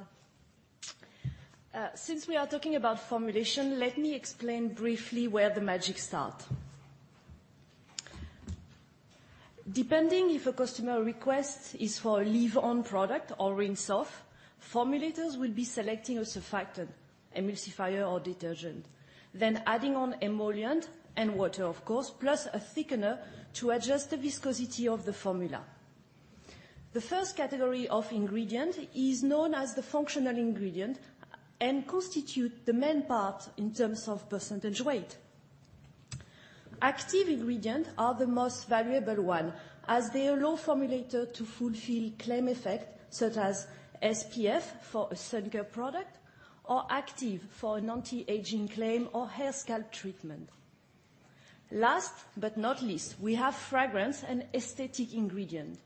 Since we are talking about formulation, let me explain briefly where the magic start. Depending if a customer request is for a leave-on product or rinse off, formulators will be selecting a surfactant, emulsifier or detergent, then adding on emollient and water, of course, plus a thickener to adjust the viscosity of the formula. The first category of ingredient is known as the functional ingredient and constitute the main part in terms of percentage weight. Active ingredient are the most valuable one as they allow formulator to fulfill claim effect, such as SPF for a sun care product or active for an anti-aging claim or hair scalp treatment. Last but not least, we have fragrance and aesthetic ingredient.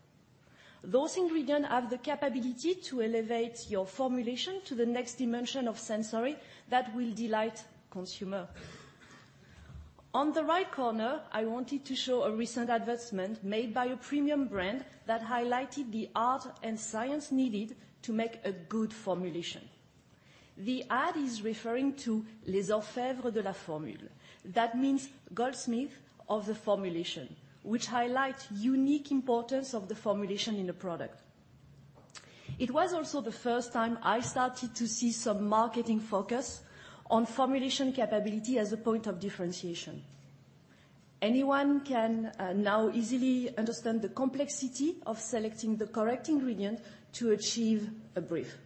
Those ingredient have the capability to elevate your formulation to the next dimension of sensory that will delight consumer. On the right corner, I wanted to show a recent advertisement made by a premium brand that highlighted the art and science needed to make a good formulation. The ad is referring to les orfèvres de la formule. That means goldsmith of the formulation, which highlights unique importance of the formulation in a product. It was also the first time I started to see some marketing focus on formulation capability as a point of differentiation. Anyone can now easily understand the complexity of selecting the correct ingredient to achieve a brief.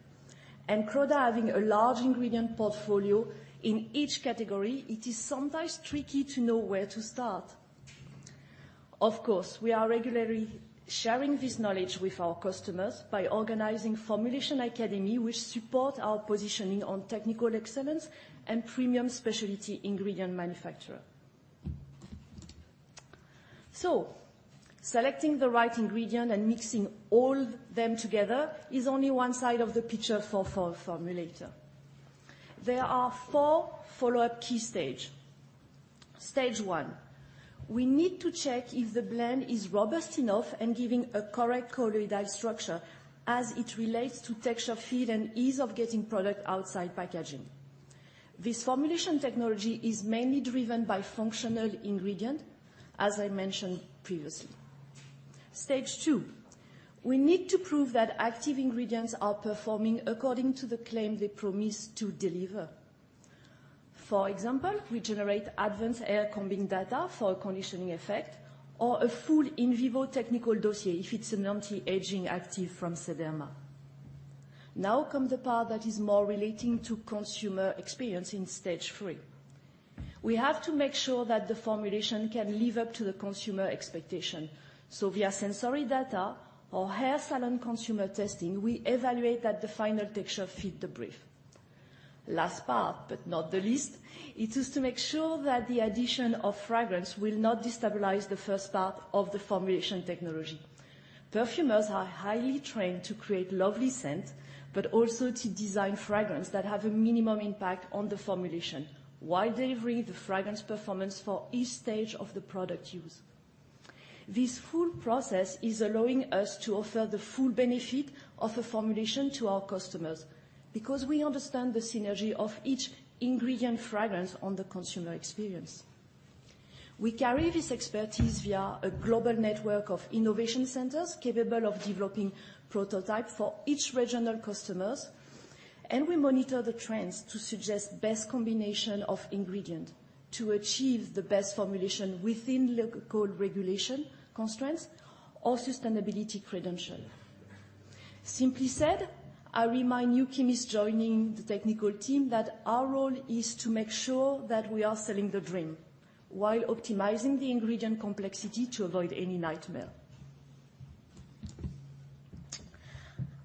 Croda having a large ingredient portfolio in each category, it is sometimes tricky to know where to start. Of course, we are regularly sharing this knowledge with our customers by organizing formulation academy, which support our positioning on technical excellence and premium specialty ingredient manufacturer. Selecting the right ingredient and mixing all them together is only one side of the picture for a formulator. There are four follow-up key stage. Stage one, we need to check if the blend is robust enough and giving a correct colloidal structure as it relates to texture, feel, and ease of getting product outside packaging. This formulation technology is mainly driven by functional ingredient, as I mentioned previously. Stage two, we need to prove that active ingredients are performing according to the claim they promise to deliver. For example, we generate advanced in combing data for conditioning effect or a full in vivo technical dossier if it's an anti-aging active from Sederma. Now comes the part that is more relating to consumer experience in stage three. We have to make sure that the formulation can live up to the consumer expectation. Via sensory data or hair salon consumer testing, we evaluate that the final texture fit the brief. Last, but not least, it is to make sure that the addition of fragrance will not destabilize the first part of the formulation technology. Perfumers are highly trained to create lovely scent, but also to design fragrance that have a minimum impact on the formulation while delivering the fragrance performance for each stage of the product use. This full process is allowing us to offer the full benefit of the formulation to our customers because we understand the synergy of each ingredient fragrance on the consumer experience. We carry this expertise via a global network of innovation centers capable of developing prototype for each regional customers, and we monitor the trends to suggest best combination of ingredient to achieve the best formulation within local regulation constraints or sustainability credential. Simply said, I remind new chemists joining the technical team that our role is to make sure that we are selling the dream while optimizing the ingredient complexity to avoid any nightmare.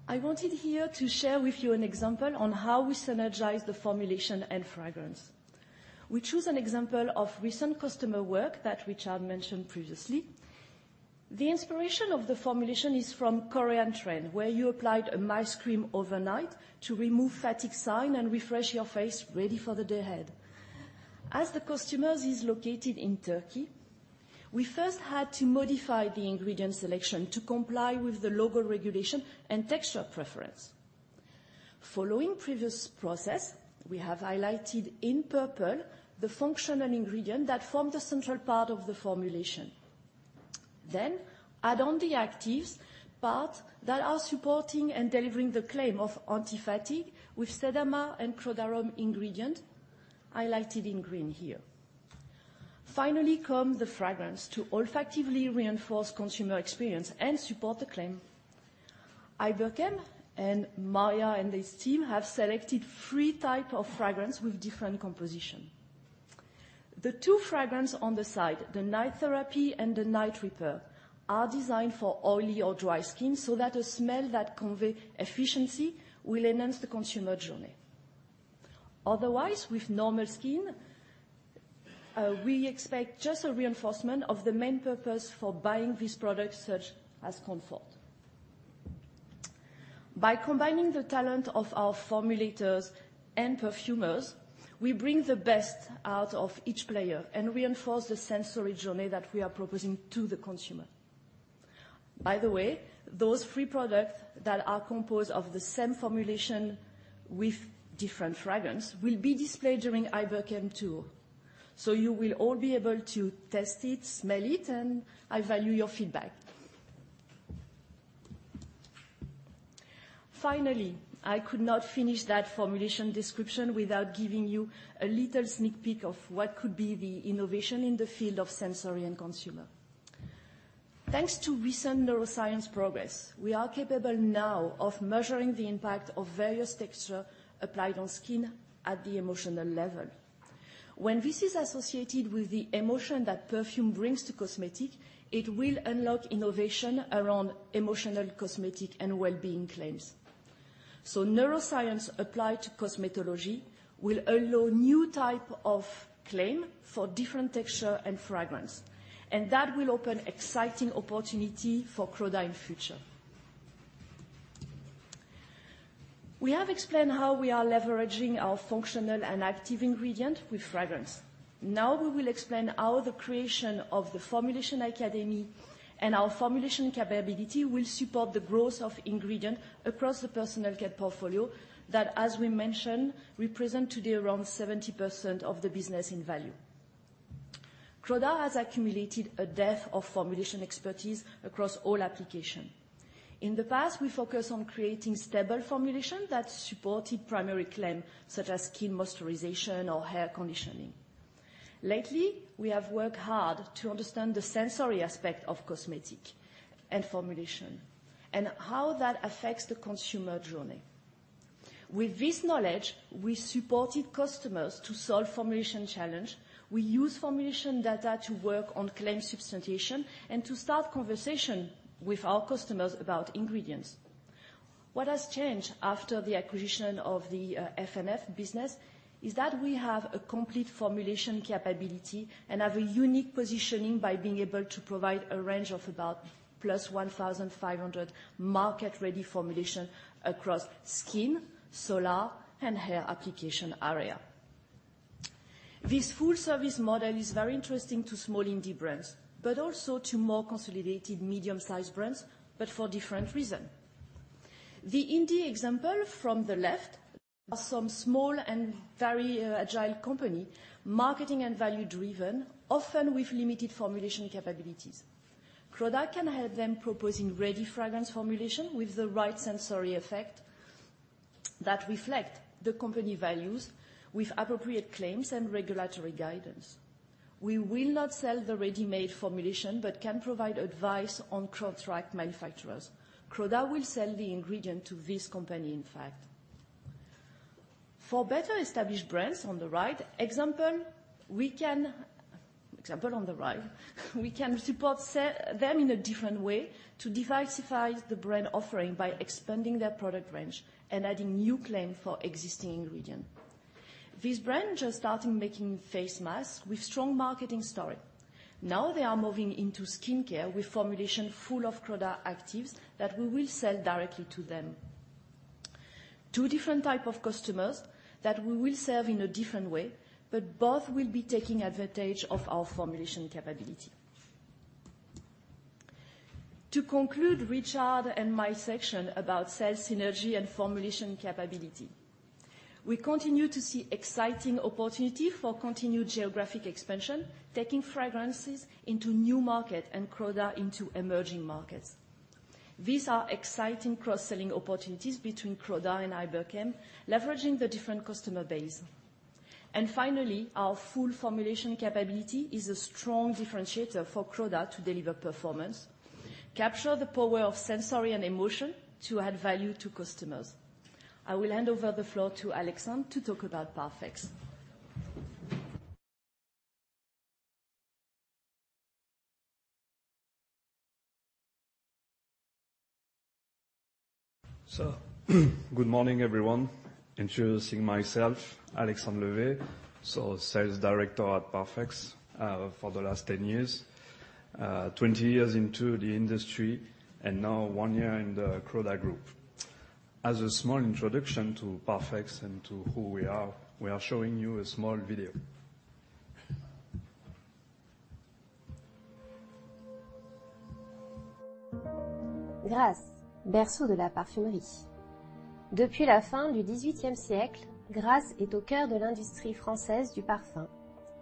I wanted here to share with you an example on how we synergize the formulation and fragrance. We choose an example of recent customer work that Richard mentioned previously. The inspiration of the formulation is from Korean trend, where you applied a nice cream overnight to remove fatigue sign and refresh your face ready for the day ahead. As the customers is located in Turkey, we first had to modify the ingredient selection to comply with the local regulation and texture preference. Following previous process, we have highlighted in purple the functional ingredient that form the central part of the formulation, then add on the actives part that are supporting and delivering the claim of anti-fatigue with Sederma and Crodarom ingredients highlighted in green here. Finally, comes the fragrance to olfactively reinforce consumer experience and support the claim. Iberchem and Maria and this team have selected three types of fragrance with different compositions. The two fragrances on the side, the Night Therapy and the Night Repair, are designed for oily or dry skin, so that a smell that conveys efficiency will enhance the consumer journey. Otherwise, with normal skin, we expect just a reinforcement of the main purpose for buying this product, such as comfort. By combining the talent of our formulators and perfumers, we bring the best out of each player and reinforce the sensory journey that we are proposing to the consumer. By the way, those three products that are composed of the same formulation with different fragrance will be displayed during Iberchem tour, so you will all be able to test it, smell it, and I value your feedback. Finally, I could not finish that formulation description without giving you a little sneak peek of what could be the innovation in the field of sensory and consumer. Thanks to recent neuroscience progress, we are capable now of measuring the impact of various texture applied on skin at the emotional level. When this is associated with the emotion that perfume brings to cosmetic, it will unlock innovation around emotional cosmetic and well-being claims. Neuroscience applied to cosmetology will allow new type of claim for different texture and fragrance, and that will open exciting opportunity for Croda in future. We have explained how we are leveraging our functional and active ingredient with fragrance. Now we will explain how the creation of the formulation academy and our formulation capability will support the growth of ingredient across the personal care portfolio that, as we mentioned, represent today around 70% of the business in value. Croda has accumulated a depth of formulation expertise across all application. In the past, we focus on creating stable formulation that supported primary claim, such as skin moisturization or hair conditioning. Lately, we have worked hard to understand the sensory aspect of cosmetic and formulation and how that affects the consumer journey. With this knowledge, we supported customers to solve formulation challenge. We use formulation data to work on claim substantiation and to start conversation with our customers about ingredients. What has changed after the acquisition of the F&F business is that we have a complete formulation capability and have a unique positioning by being able to provide a range of about plus 1,500 market-ready formulation across skin, solar, and hair application area. This full-service model is very interesting to small indie brands, but also to more consolidated medium-sized brands, but for different reason. The indie example from the left are some small and very agile company, marketing and value-driven, often with limited formulation capabilities. Croda can help them proposing ready fragrance formulation with the right sensory effect that reflect the company values with appropriate claims and regulatory guidance. We will not sell the ready-made formulation but can provide advice on contract manufacturers. Croda will sell the ingredient to this company, in fact. For better established brands, example on the right, we can support them in a different way to diversify the brand offering by expanding their product range and adding new claim for existing ingredient. This brand just started making face masks with strong marketing story. Now they are moving into skincare with formulation full of Croda actives that we will sell directly to them. Two different type of customers that we will serve in a different way, but both will be taking advantage of our formulation capability. To conclude Richard and my section about sales synergy and formulation capability, we continue to see exciting opportunity for continued geographic expansion, taking fragrances into new market and Croda into emerging markets. These are exciting cross-selling opportunities between Croda and Iberchem, leveraging the different customer base. Finally, our full formulation capability is a strong differentiator for Croda to deliver performance, capture the power of sensory and emotion to add value to customers. I will hand over the floor to Alexandre to talk about Parfex. Good morning, everyone. Introducing myself, Alexandre Levet, Sales Director at Parfex, for the last 10 years, 20 years into the industry and now one year in the Croda Group. As a small introduction to Parfex and to who we are, we are showing you a small video. Grasse, berceau de la parfumerie. Depuis la fin du dix-huitième siècle, Grasse est au cœur de l'industrie française du parfum.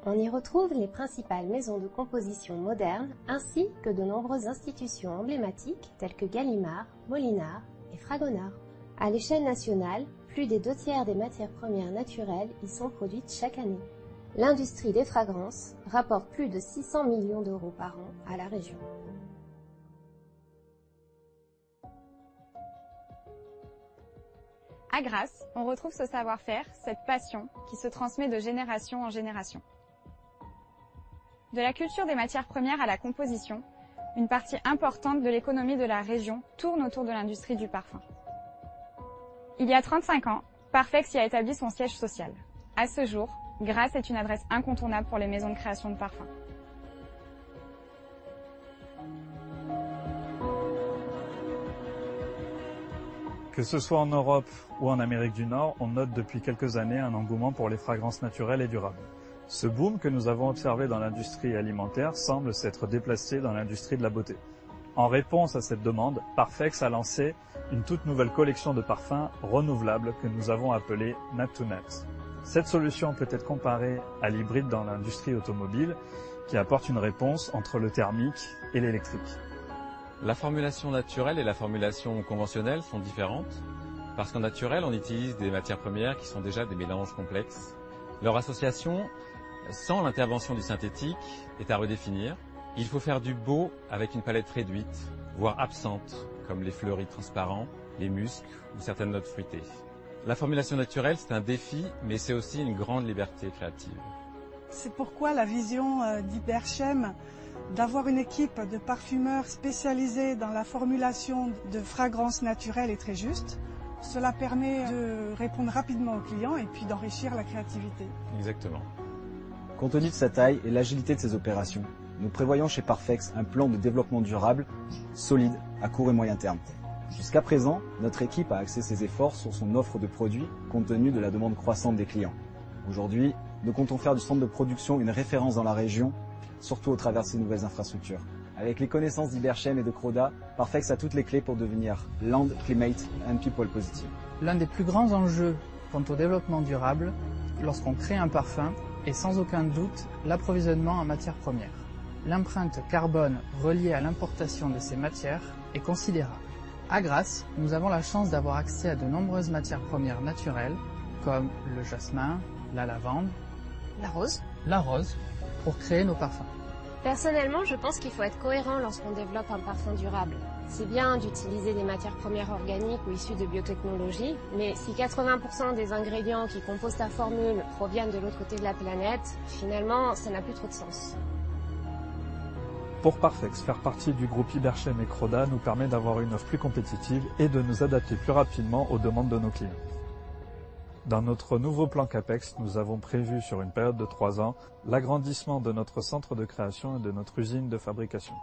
On y retrouve les principales maisons de composition moderne ainsi que de nombreuses institutions emblématiques telles que Galimard, Molinard et Fragonard. À l'échelle nationale, plus des deux tiers des matières premières naturelles y sont produites chaque année. L'industrie des fragrances rapporte plus de 600 million par an à la région. À Grasse, on retrouve ce savoir-faire, cette passion qui se transmet de génération en génération. De la culture des matières premières à la composition, une partie importante de l'économie de la région tourne autour de l'industrie du parfum. Il y a 35 ans, Parfex y a établi son siège social. À ce jour, Grasse est une adresse incontournable pour les maisons de création de parfum. Que ce soit en Europe ou en Amérique du Nord, on note depuis quelques années un engouement pour les fragrances naturelles et durables. Ce boom que nous avons observé dans l'industrie alimentaire semble s'être déplacé dans l'industrie de la beauté. En réponse à cette demande, Parfex a lancé une toute nouvelle collection de parfums renouvelables que nous avons appelée nat2nat. Cette solution peut être comparée à l'hybride dans l'industrie automobile, qui apporte une réponse entre le thermique et l'électrique. La formulation naturelle et la formulation conventionnelle sont différentes parce qu'en naturel, on utilise des matières premières qui sont déjà des mélanges complexes. Leur association, sans l'intervention du synthétique, est à redéfinir. Il faut faire du beau avec une palette réduite, voire absente, comme les fleuris transparents, les muscs ou certaines notes fruitées. La formulation naturelle, c'est un défi, mais c'est aussi une grande liberté créative. C'est pourquoi la vision d'Iberchem d'avoir une équipe de parfumeurs spécialisés dans la formulation de fragrances naturelles est très juste. Cela permet de répondre rapidement au client et puis d'enrichir la créativité. Exactement. Compte tenu de sa taille et de l'agilité de ses opérations, nous prévoyons chez Parfex un plan de développement durable solide à court et moyen terme. Jusqu'à présent, notre équipe a axé ses efforts sur son offre de produits compte tenu de la demande croissante des clients. Aujourd'hui, nous comptons faire du centre de production une référence dans la région, surtout à travers de ces nouvelles infrastructures. Avec les connaissances d'Iberchem et de Croda, Parfex a toutes les clés pour devenir Climate, Land and People Positive. L'un des plus grands enjeux quant au développement durable lorsqu'on crée un parfum est sans aucun doute l'approvisionnement en matières premières. L'empreinte carbone reliée à l'importation de ces matières est considérable. À Grasse, nous avons la chance d'avoir accès à de nombreuses matières premières naturelles comme le jasmin, la lavande. La rose. La rose pour créer nos parfums. Personnellement, je pense qu'il faut être cohérent lorsqu'on développe un parfum durable. C'est bien d'utiliser des matières premières organiques ou issues de biotechnologie, mais si 80% des ingrédients qui composent la formule proviennent de l'autre côté de la planète, finalement, ça n'a plus trop de sens. Pour Parfex, faire partie du groupe Iberchem et Croda nous permet d'avoir une offre plus compétitive et de nous adapter plus rapidement aux demandes de nos clients. Dans notre nouveau plan CapEx, nous avons prévu sur une période de trois ans l'agrandissement de notre centre de création et de notre usine de fabrication.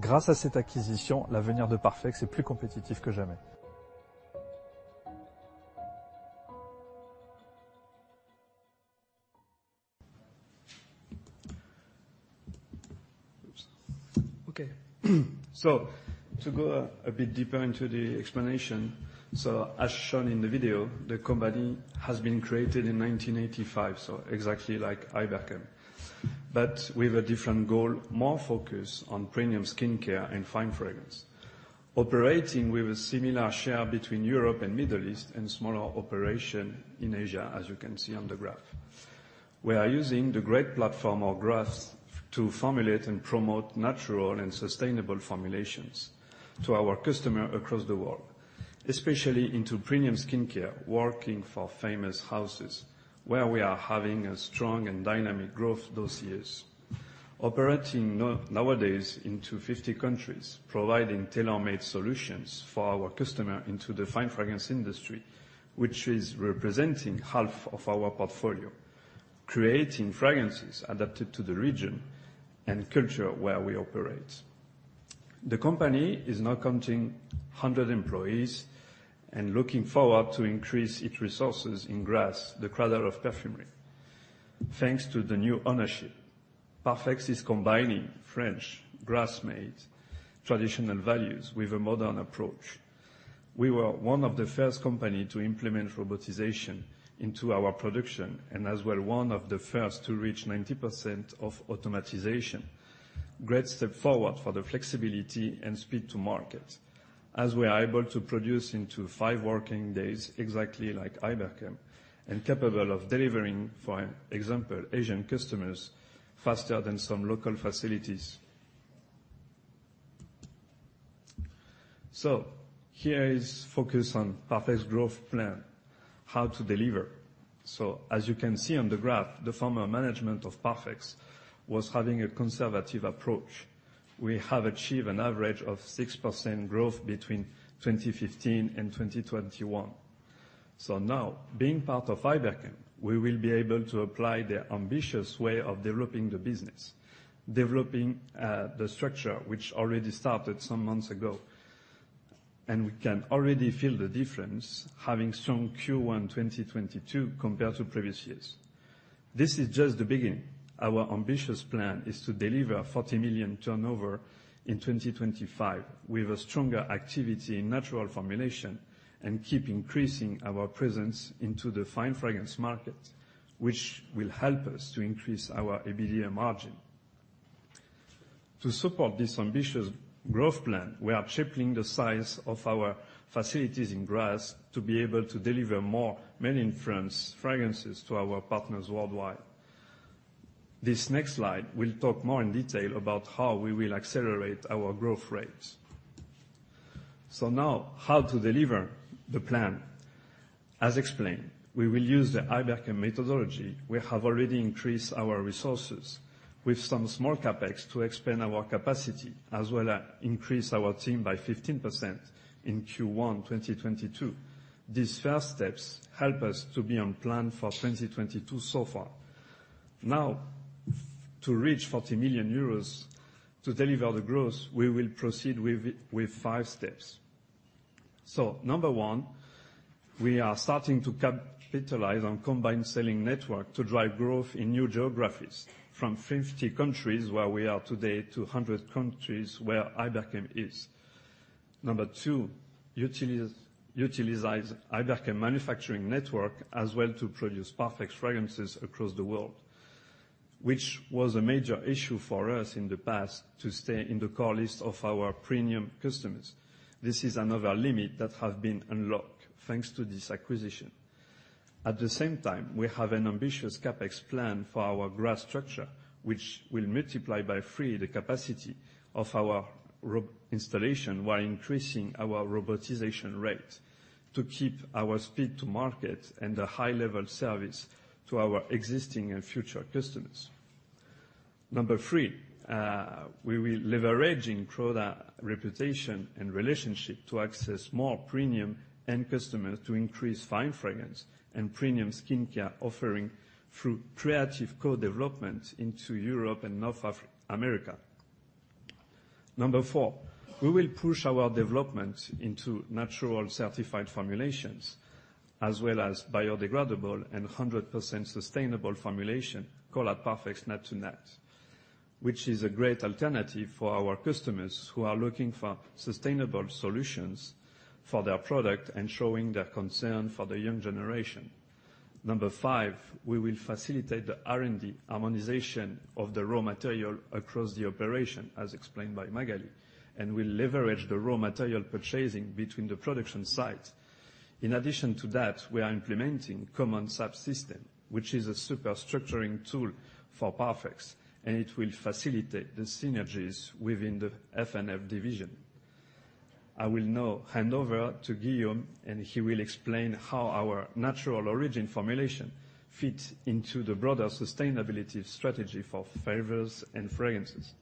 Grâce à cette acquisition, l'avenir de Parfex est plus compétitif que jamais. To go a bit deeper into the explanation. As shown in the video, the company has been created in 1985, so exactly like Iberchem, but with a different goal, more focused on premium skincare and fine fragrance. Operating with a similar share between Europe and Middle East and smaller operation in Asia, as you can see on the graph. We are using the great platform of growth to formulate and promote natural and sustainable formulations to our customer across the world, especially into premium skincare, working for famous houses, where we are having a strong and dynamic growth those years. Operating nowadays into 50 countries, providing tailor-made solutions for our customer into the fine fragrance industry, which is representing half of our portfolio, creating fragrances adapted to the region and culture where we operate. The company is now counting 100 employees and looking forward to increase its resources in Grasse, the cradle of perfumery. Thanks to the new ownership, Parfex is combining French Grasse-made traditional values with a modern approach. We were one of the first company to implement robotization into our production and as well, one of the first to reach 90% of automatization. Great step forward for the flexibility and speed to market, as we are able to produce in five working days, exactly like Iberchem, and capable of delivering, for example, Asian customers faster than some local facilities. Here is focus on Parfex growth plan, how to deliver. As you can see on the graph, the former management of Parfex was having a conservative approach. We have achieved an average of 6% growth between 2015 and 2021. Now, being part of Iberchem, we will be able to apply the ambitious way of developing the business, the structure which already started some months ago. We can already feel the difference having strong Q1 2022 compared to previous years. This is just the beginning. Our ambitious plan is to deliver 40 million turnover in 2025 with a stronger activity in natural formulation and keep increasing our presence into the fine fragrance market, which will help us to increase our EBITDA margin. To support this ambitious growth plan, we are tripling the size of our facilities in Grasse to be able to deliver more made in France fragrances to our partners worldwide. This next slide will talk more in detail about how we will accelerate our growth rates. Now how to deliver the plan. As explained, we will use the Iberchem methodology. We have already increased our resources with some small CapEx to expand our capacity, as well as increase our team by 15% in Q1 2022. These first steps help us to be on plan for 2022 so far. Now, to reach 40 million euros to deliver the growth, we will proceed with five steps. Number one, we are starting to capitalize on combined selling network to drive growth in new geographies from 50 countries where we are today to 100 countries where Iberchem is. Number two, utilize Iberchem manufacturing network as well to produce Parfex fragrances across the world, which was a major issue for us in the past to stay in the core list of our premium customers. This is another limit that has been unlocked thanks to this acquisition. At the same time, we have an ambitious CapEx plan for our Grasse structure, which will multiply by 3 the capacity of our robot installation while increasing our robotization rate to keep our speed to market and the high-level service to our existing and future customers. Number 3, we will leveraging Croda reputation and relationship to access more premium end customers to increase fine fragrance and premium skincare offering through creative co-development into Europe and North America. Number four, we will push our development into natural certified formulations as well as biodegradable and 100% sustainable formulation called Parfex nat2nat, which is a great alternative for our customers who are looking for sustainable solutions for their product and showing their concern for the young generation. Number five, we will facilitate the R&D harmonization of the raw material across the operation, as explained by Magali, and we'll leverage the raw material purchasing between the production sites. In addition to that, we are implementing common sub-system, which is a super structuring tool for Parfex, and it will facilitate the synergies within the F&F division. I will now hand over to Guillaume, and he will explain how our natural origin formulation fits into the broader sustainability strategy for flavors and fragrances.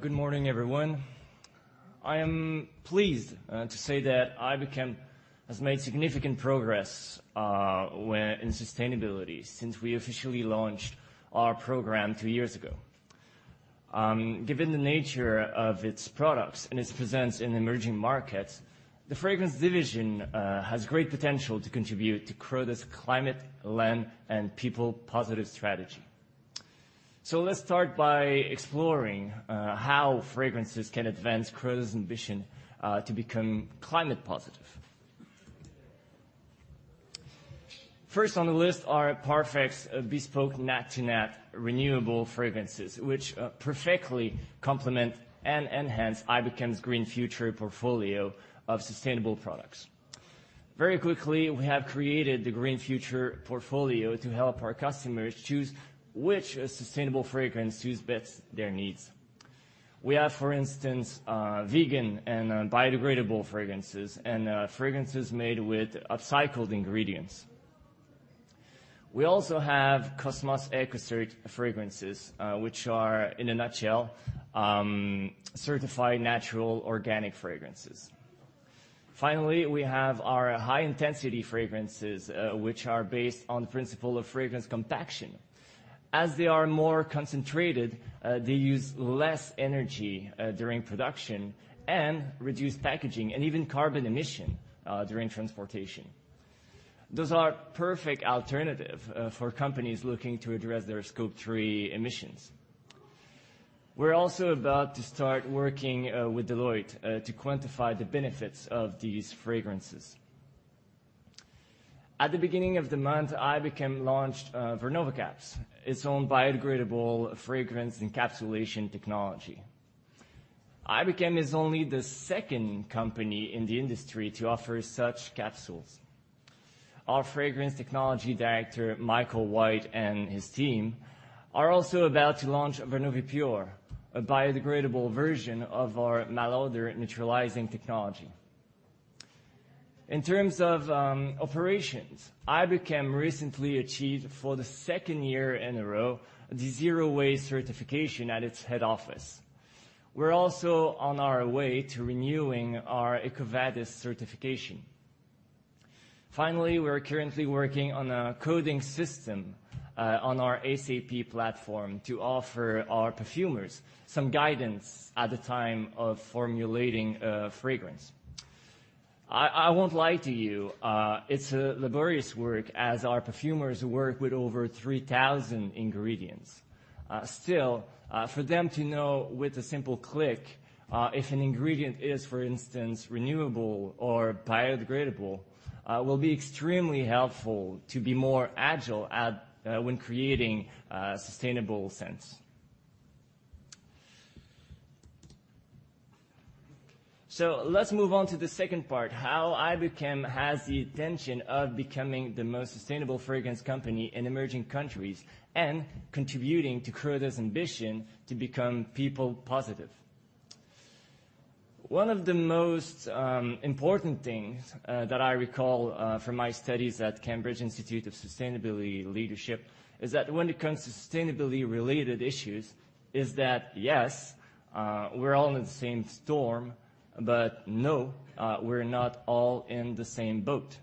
Well, good morning, everyone. I am pleased to say that Iberchem has made significant progress in sustainability since we officially launched our program two years ago. Given the nature of its products and its presence in emerging markets, the fragrance division has great potential to contribute to Croda's climate, land, and people positive strategy. Let's start by exploring how fragrances can advance Croda's ambition to become climate positive. First on the list are Parfex bespoke nat2nat renewable fragrances, which perfectly complement and enhance Iberchem's Green Future portfolio of sustainable products. Very quickly, we have created the Green Future portfolio to help our customers choose which sustainable fragrance suits best their needs. We have, for instance, vegan and biodegradable fragrances and fragrances made with upcycled ingredients. We also have COSMOS Ecocert fragrances, which are, in a nutshell, certified natural organic fragrances. Finally, we have our high-intensity fragrances, which are based on principle of fragrance compaction. As they are more concentrated, they use less energy, during production and reduce packaging and even carbon emission, during transportation. Those are perfect alternative, for companies looking to address their Scope 3 emissions. We're also about to start working, with Deloitte, to quantify the benefits of these fragrances. At the beginning of the month, Iberchem launched, VernovaCaps, its own biodegradable fragrance encapsulation technology. Iberchem is only the second company in the industry to offer such capsules. Our fragrance technology director, Michael White, and his team are also about to launch VernovaPure, a biodegradable version of our malodor-neutralizing technology. In terms of operations, Iberchem recently achieved for the second year in a row the zero waste certification at its head office. We're also on our way to renewing our EcoVadis certification. Finally, we're currently working on a coding system on our ACP platform to offer our perfumers some guidance at the time of formulating a fragrance. I won't lie to you, it's a laborious work as our perfumers work with over 3,000 ingredients. Still, for them to know with a simple click if an ingredient is, for instance, renewable or biodegradable, will be extremely helpful to be more agile at when creating a sustainable scent. Let's move on to the second part, how Iberchem has the intention of becoming the most sustainable fragrance company in emerging countries and contributing to Croda's ambition to become people positive. One of the most important things that I recall from my studies at Cambridge Institute for Sustainability Leadership is that when it comes to sustainability-related issues, yes, we're all in the same storm, but no, we're not all in the same boat.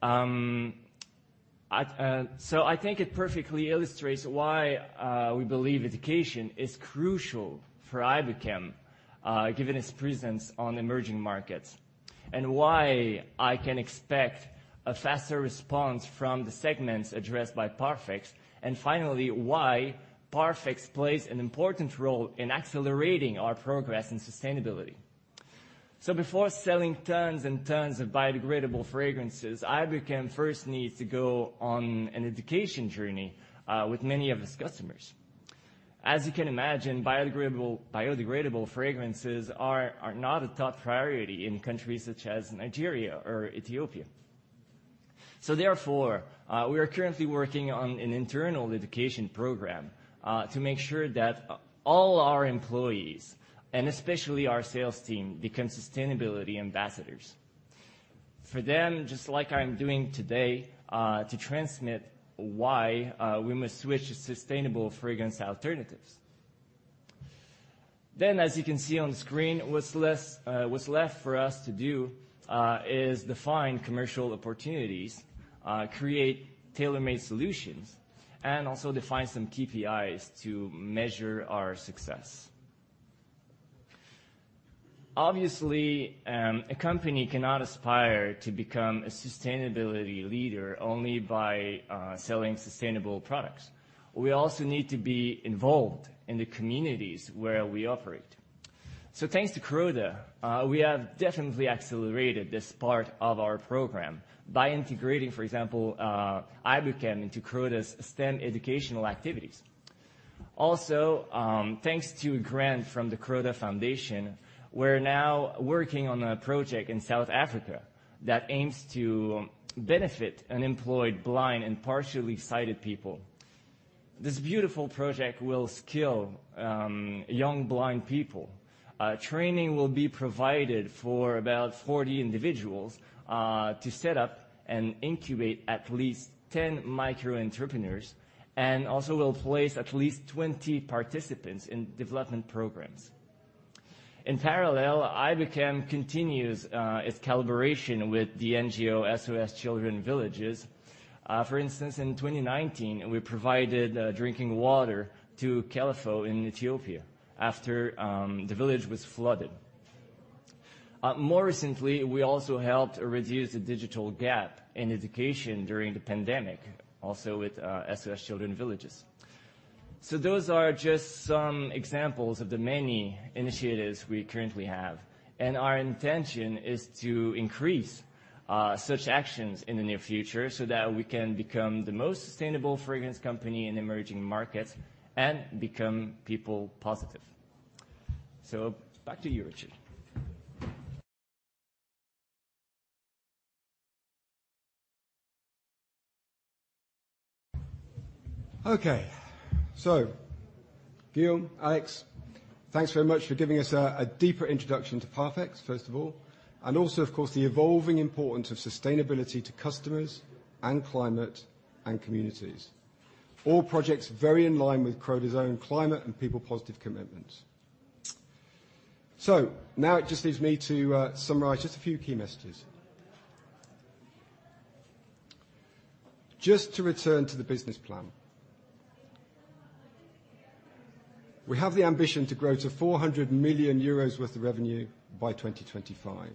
I think it perfectly illustrates why we believe education is crucial for Iberchem, given its presence on emerging markets, and why I can expect a faster response from the segments addressed by Parfex, and finally, why Parfex plays an important role in accelerating our progress in sustainability. Before selling tons and tons of biodegradable fragrances, Iberchem first needs to go on an education journey with many of its customers. As you can imagine, biodegradable fragrances are not a top priority in countries such as Nigeria or Ethiopia. Therefore, we are currently working on an internal education program to make sure that all our employees, and especially our sales team, become sustainability ambassadors. For them, just like I'm doing today, to transmit why we must switch to sustainable fragrance alternatives. As you can see on screen, what's left for us to do is define commercial opportunities, create tailor-made solutions, and also define some KPIs to measure our success. Obviously, a company cannot aspire to become a sustainability leader only by selling sustainable products. We also need to be involved in the communities where we operate. Thanks to Croda, we have definitely accelerated this part of our program by integrating, for example, Iberchem into Croda's STEM educational activities. Thanks to a grant from the Croda Foundation, we're now working on a project in South Africa that aims to benefit unemployed blind and partially sighted people. This beautiful project will skill young blind people. Training will be provided for about 40 individuals to set up and incubate at least 10 micro entrepreneurs, and also we'll place at least 20 participants in development programs. In parallel, Iberchem continues its collaboration with the NGO SOS Children's Villages. For instance, in 2019 we provided drinking water to Kelafo in Ethiopia after the village was flooded. More recently, we also helped reduce the digital gap in education during the pandemic, also with SOS Children's Villages. Those are just some examples of the many initiatives we currently have, and our intention is to increase such actions in the near future so that we can become the most sustainable fragrance company in emerging markets and become people positive. Back to you, Richard. Okay. Guillaume, Alexandre, thanks very much for giving us a deeper introduction to Parfex, first of all, and also, of course, the evolving importance of sustainability to customers and climate and communities. All projects very in line with Croda's own climate and people positive commitments. Now it just leaves me to summarize just a few key messages. Just to return to the business plan. We have the ambition to grow to 400 million euros worth of revenue by 2025.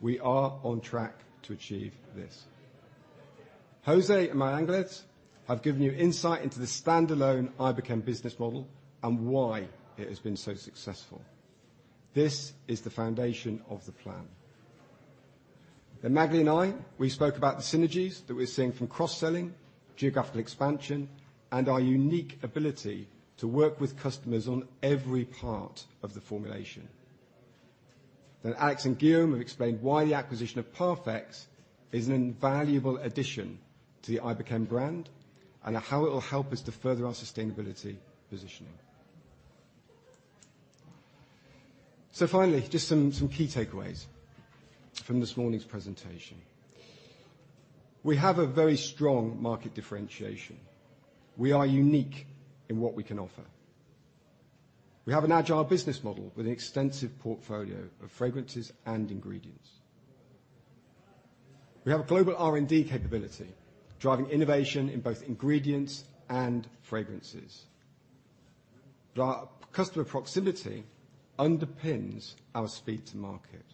We are on track to achieve this. José and María Ángeles have given you insight into the standalone Iberchem business model and why it has been so successful. This is the foundation of the plan. Magali and I, we spoke about the synergies that we're seeing from cross-selling, geographical expansion, and our unique ability to work with customers on every part of the formulation. Alex and Guillaume have explained why the acquisition of Parfex is an invaluable addition to the Iberchem brand and how it will help us to further our sustainability positioning. Finally, just some key takeaways from this morning's presentation. We have a very strong market differentiation. We are unique in what we can offer. We have an agile business model with an extensive portfolio of fragrances and ingredients. We have a global R&D capability driving innovation in both ingredients and fragrances. Our customer proximity underpins our speed to market.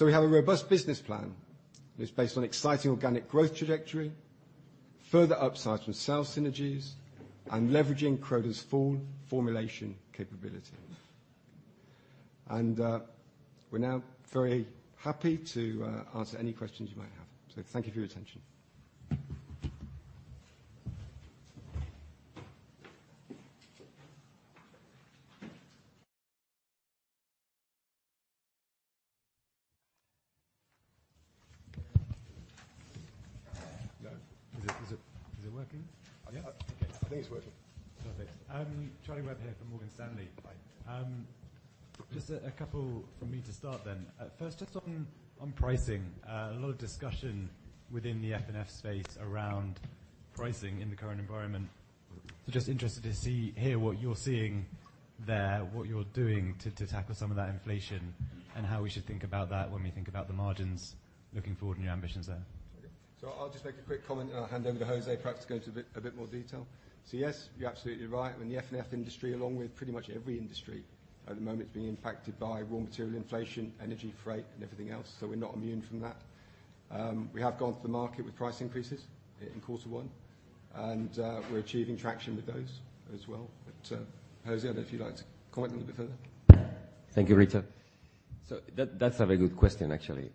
We have a robust business plan that's based on exciting organic growth trajectory, further upsizing sales synergies, and leveraging Croda's full formulation capability. We're now very happy to answer any questions you might have. Thank you for your attention. Yeah. Is it working? I think it's working. Perfect. Charlie Webb here from Morgan Stanley. Just a couple from me to start then. First, just on pricing. A lot of discussion within the F&F space around pricing in the current environment. Just interested to hear what you're seeing there, what you're doing to tackle some of that inflation and how we should think about that when we think about the margins looking forward and your ambitions there. I'll just make a quick comment and I'll hand over to José perhaps to go into a bit more detail. Yes, you're absolutely right. I mean, the F&F industry, along with pretty much every industry at the moment, is being impacted by raw material inflation, energy, freight and everything else, so we're not immune from that. We have gone to the market with price increases in quarter one, and we're achieving traction with those as well. José, I don't know if you'd like to comment a little bit further. Thank you, Richard. That's a very good question actually.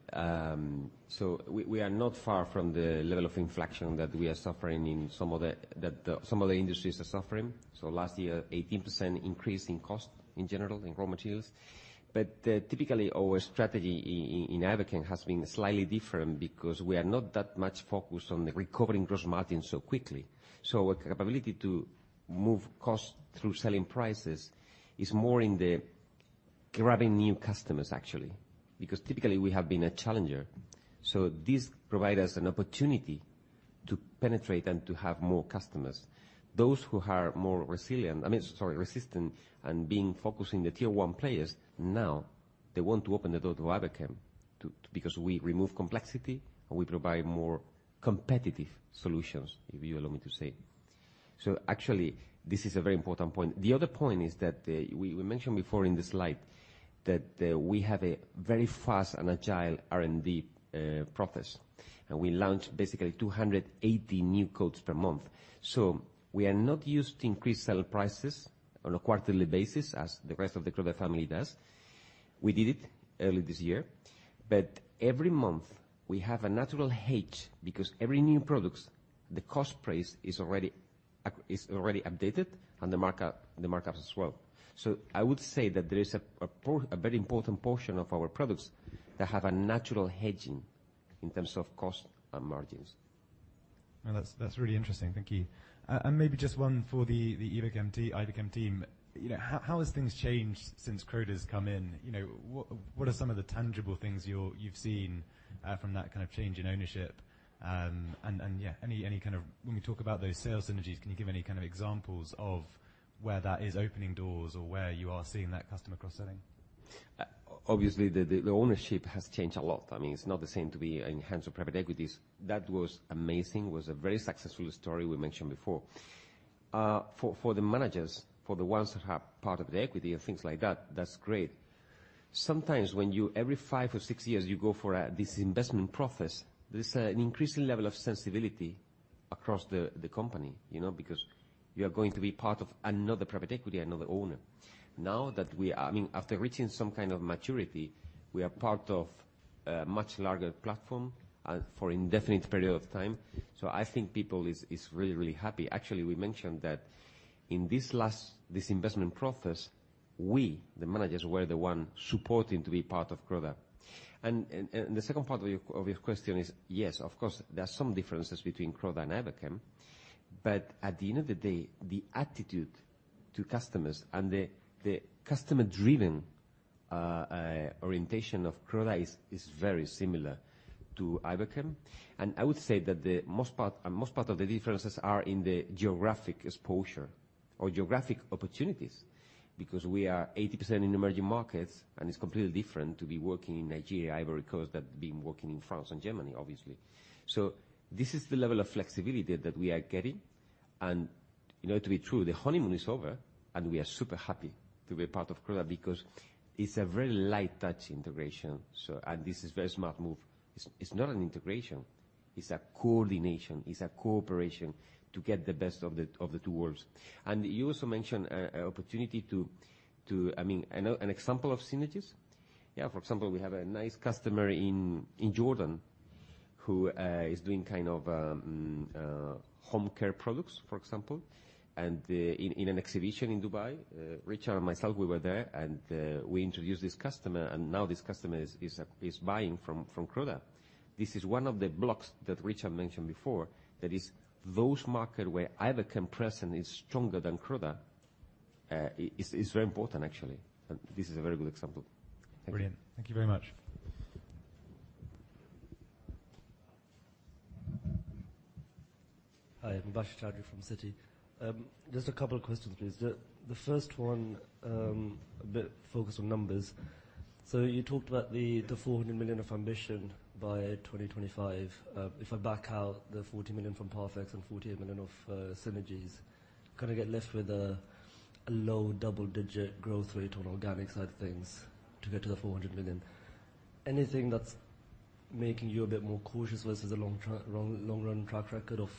We are not far from the level of inflation that we are suffering in some of the industries are suffering. Last year, 18% increase in cost in general in raw materials. Typically our strategy in Iberchem has been slightly different because we are not that much focused on recovering gross margin so quickly. Our capability to move costs through selling prices is more in grabbing new customers actually, because typically we have been a challenger. This provide us an opportunity to penetrate and to have more customers. Those who are more resistant and being focused in the Tier 1 players now, they want to open the door to Iberchem too, because we remove complexity and we provide more competitive solutions, if you allow me to say. Actually this is a very important point. The other point is that we mentioned before in the slide that we have a very fast and agile R&D process. We launch basically 280 new codes per month. We are not used to increased sale prices on a quarterly basis as the rest of the Croda family does. We did it early this year. Every month we have a natural hedge, because every new products, the cost price is already updated and the markup as well. I would say that there is a very important portion of our products that have a natural hedging in terms of cost and margins. No, that's really interesting. Thank you. Maybe just one for the Iberchem team. You know, how has things changed since Croda's come in? You know, what are some of the tangible things you've seen from that kind of change in ownership? Yeah, any kind of when we talk about those sales synergies, can you give any kind of examples of where that is opening doors or where you are seeing that customer cross-selling? Obviously the ownership has changed a lot. I mean, it's not the same to be in hands of private equities. That was amazing. Was a very successful story we mentioned before. For the managers, for the ones that have part of the equity and things like that's great. Sometimes when you every five or six years you go for this investment process, there's an increasing level of sensibility across the company, you know, because you are going to be part of another private equity, another owner. Now that we are, I mean, after reaching some kind of maturity, we are part of a much larger platform and for indefinite period of time. I think people is really happy. Actually, we mentioned that in this investment process, we, the managers, were the one supporting to be part of Croda. The second part of your question is yes, of course, there are some differences between Croda and Iberchem, but at the end of the day, the attitude to customers and the customer-driven orientation of Croda is very similar to Iberchem. I would say that the most part of the differences are in the geographic exposure or geographic opportunities, because we are 80% in emerging markets, and it's completely different to be working in Nigeria, Ivory Coast, than being working in France and Germany, obviously. This is the level of flexibility that we are getting. You know to be true, the honeymoon is over, and we are super happy to be a part of Croda because it's a very light touch integration. This is very smart move. It's not an integration, it's a coordination, it's a cooperation to get the best of the two worlds. You also mentioned an opportunity to, I mean, an example of synergies. Yeah, for example, we have a nice customer in Jordan who is doing kind of home care products, for example, and in an exhibition in Dubai, Richard and myself, we were there and we introduced this customer, and now this customer is buying from Croda. This is one of the blocks that Richard mentioned before. That is those markets where Iberchem's presence is stronger than Croda. It's very important actually, and this is a very good example. Thank you. Brilliant. Thank you very much. Hi, I'm Bash Chaudhry from Citi. Just a couple of questions, please. The first one, a bit focused on numbers. You talked about the 400 million of ambition by 2025. If I back out the 40 million from Parfex and 48 million of synergies, kinda get left with a low-double-digit growth rate on organic side of things to get to the 400 million. Anything that's making you a bit more cautious versus the long run track record of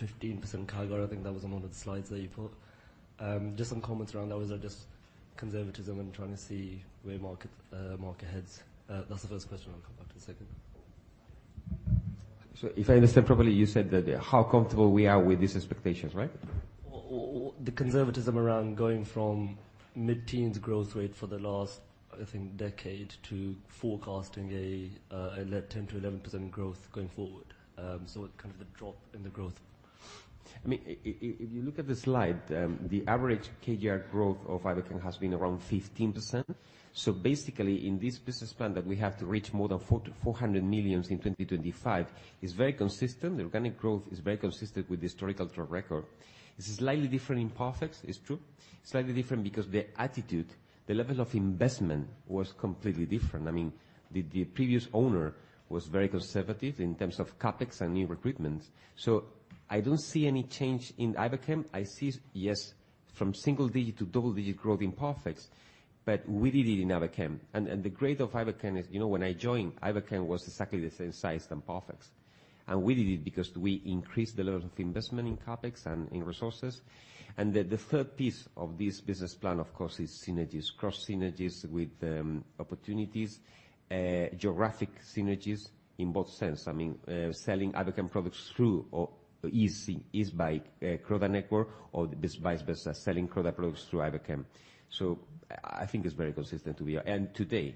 15% CAGR? I think that was on one of the slides that you put. Just some comments around that. Was that just conservatism and trying to see where market heads? That's the first question. I'll come back to the second. If I understand properly, you said that how comfortable we are with these expectations, right? The conservatism around going from mid-teens growth rate for the last, I think, decade to forecasting a 10%-11% growth going forward. Kind of the drop in the growth. I mean, if you look at the slide, the average CAGR growth of Iberchem has been around 15%. Basically in this business plan that we have to reach more than 400 million in 2025 is very consistent. The organic growth is very consistent with the historical track record. It's slightly different in Parfex, it's true. Slightly different because the attitude, the level of investment was completely different. I mean, the previous owner was very conservative in terms of CapEx and new recruitments. I don't see any change in Iberchem. I see, yes, from single digit to double digit growth in Parfex, but we did it in Iberchem. The great of Iberchem is, you know, when I joined, Iberchem was exactly the same size than Parfex. We did it because we increased the level of investment in CapEx and in resources. The third piece of this business plan, of course, is synergies. Cross synergies with opportunities, geographic synergies in both senses. I mean, selling Iberchem products through Croda network or vice versa, selling Croda products through Iberchem. I think it's very consistent to be. Today,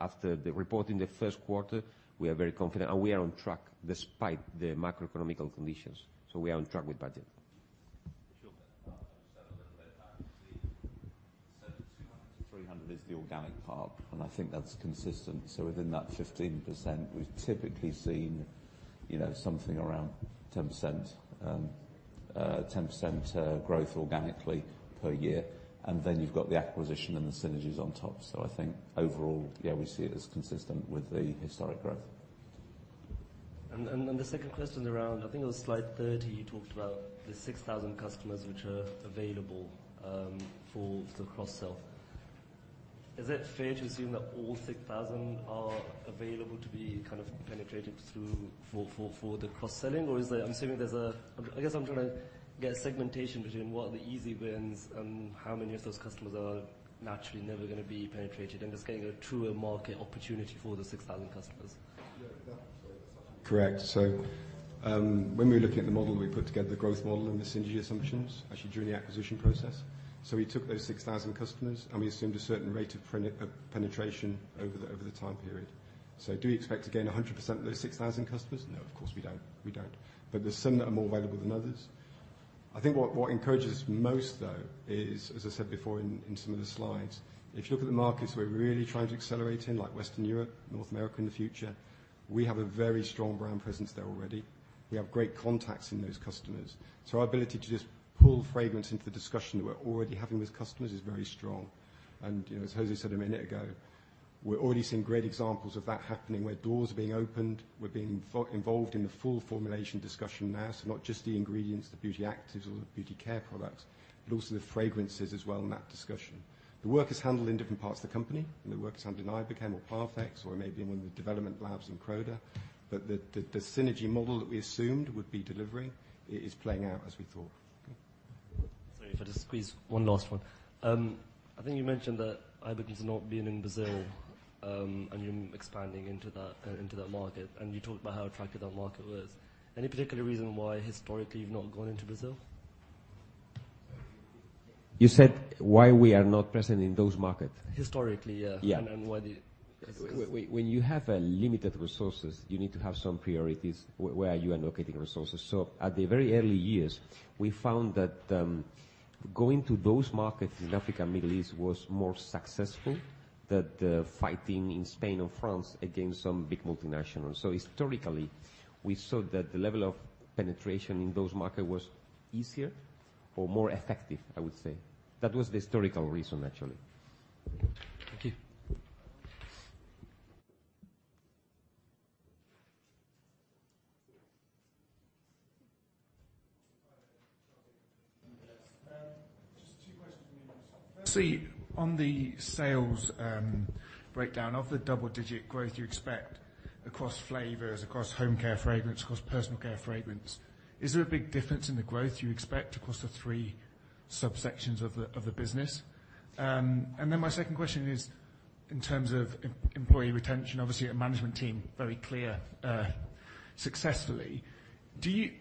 after the report in the first quarter, we are very confident and we are on track despite the macroeconomic conditions. We are on track with budget. Just to understand a little bit about the. You said 200-300 is the organic part and I think that's consistent. Within that 15% we've typically seen, you know, something around 10% growth organically per year. And then you've got the acquisition and the synergies on top. I think overall, yeah, we see it as consistent with the historic growth. Then the second question around, I think it was slide 30, you talked about the 6,000 customers which are available for the cross-sell. Is it fair to assume that all 6,000 are available to be kind of penetrated through for the cross-selling? Or is there. I'm assuming there's a. I guess I'm trying to get a segmentation between what are the easy wins and how many of those customers are naturally never gonna be penetrated, and just getting a truer market opportunity for the 6,000 customers. That's correct. When we were looking at the model, we put together the growth model and the synergy assumptions, actually during the acquisition process. We took those 6,000 customers, and we assumed a certain rate of penetration over the time period. Do we expect to gain 100% of those 6,000 customers? No, of course we don't. There's some that are more available than others. I think what encourages most though is, as I said before in some of the slides, if you look at the markets we're really trying to accelerate in, like Western Europe, North America, in the future, we have a very strong brand presence there already. We have great contacts in those customers. Our ability to just pull fragrance into the discussion that we're already having with customers is very strong. You know, as José said a minute ago, we're already seeing great examples of that happening, where doors are being opened, we're being involved in the full formulation discussion now. Not just the ingredients, the Beauty Actives or the Beauty Care products, but also the fragrances as well in that discussion. The work is handled in different parts of the company, and the work is handled in Iberchem or Parfex, or it may be in one of the development labs in Croda. The synergy model that we assumed would be delivering is playing out as we thought. Sorry if I just squeeze one last one. I think you mentioned that Iberchem's not been in Brazil, and you're expanding into that market, and you talked about how attractive that market was. Any particular reason why historically you've not gone into Brazil? You said why we are not present in those markets? Historically, yeah. Yeah. What it is— When you have limited resources, you need to have some priorities where you are locating resources. At the very early years, we found that going to those markets in Africa and Middle East was more successful than the fighting in Spain or France against some big multinationals. Historically, we saw that the level of penetration in those markets was easier or more effective, I would say. That was the historical reason, actually. Thank you. Just two questions from me. Firstly, on the sales breakdown of the double-digit growth you expect across Flavours, across Home Care Fragrance, across Personal Care Fragrance. Is there a big difference in the growth you expect across the three subsections of the business? My second question is, in terms of employee retention, obviously, your management team very clear successfully.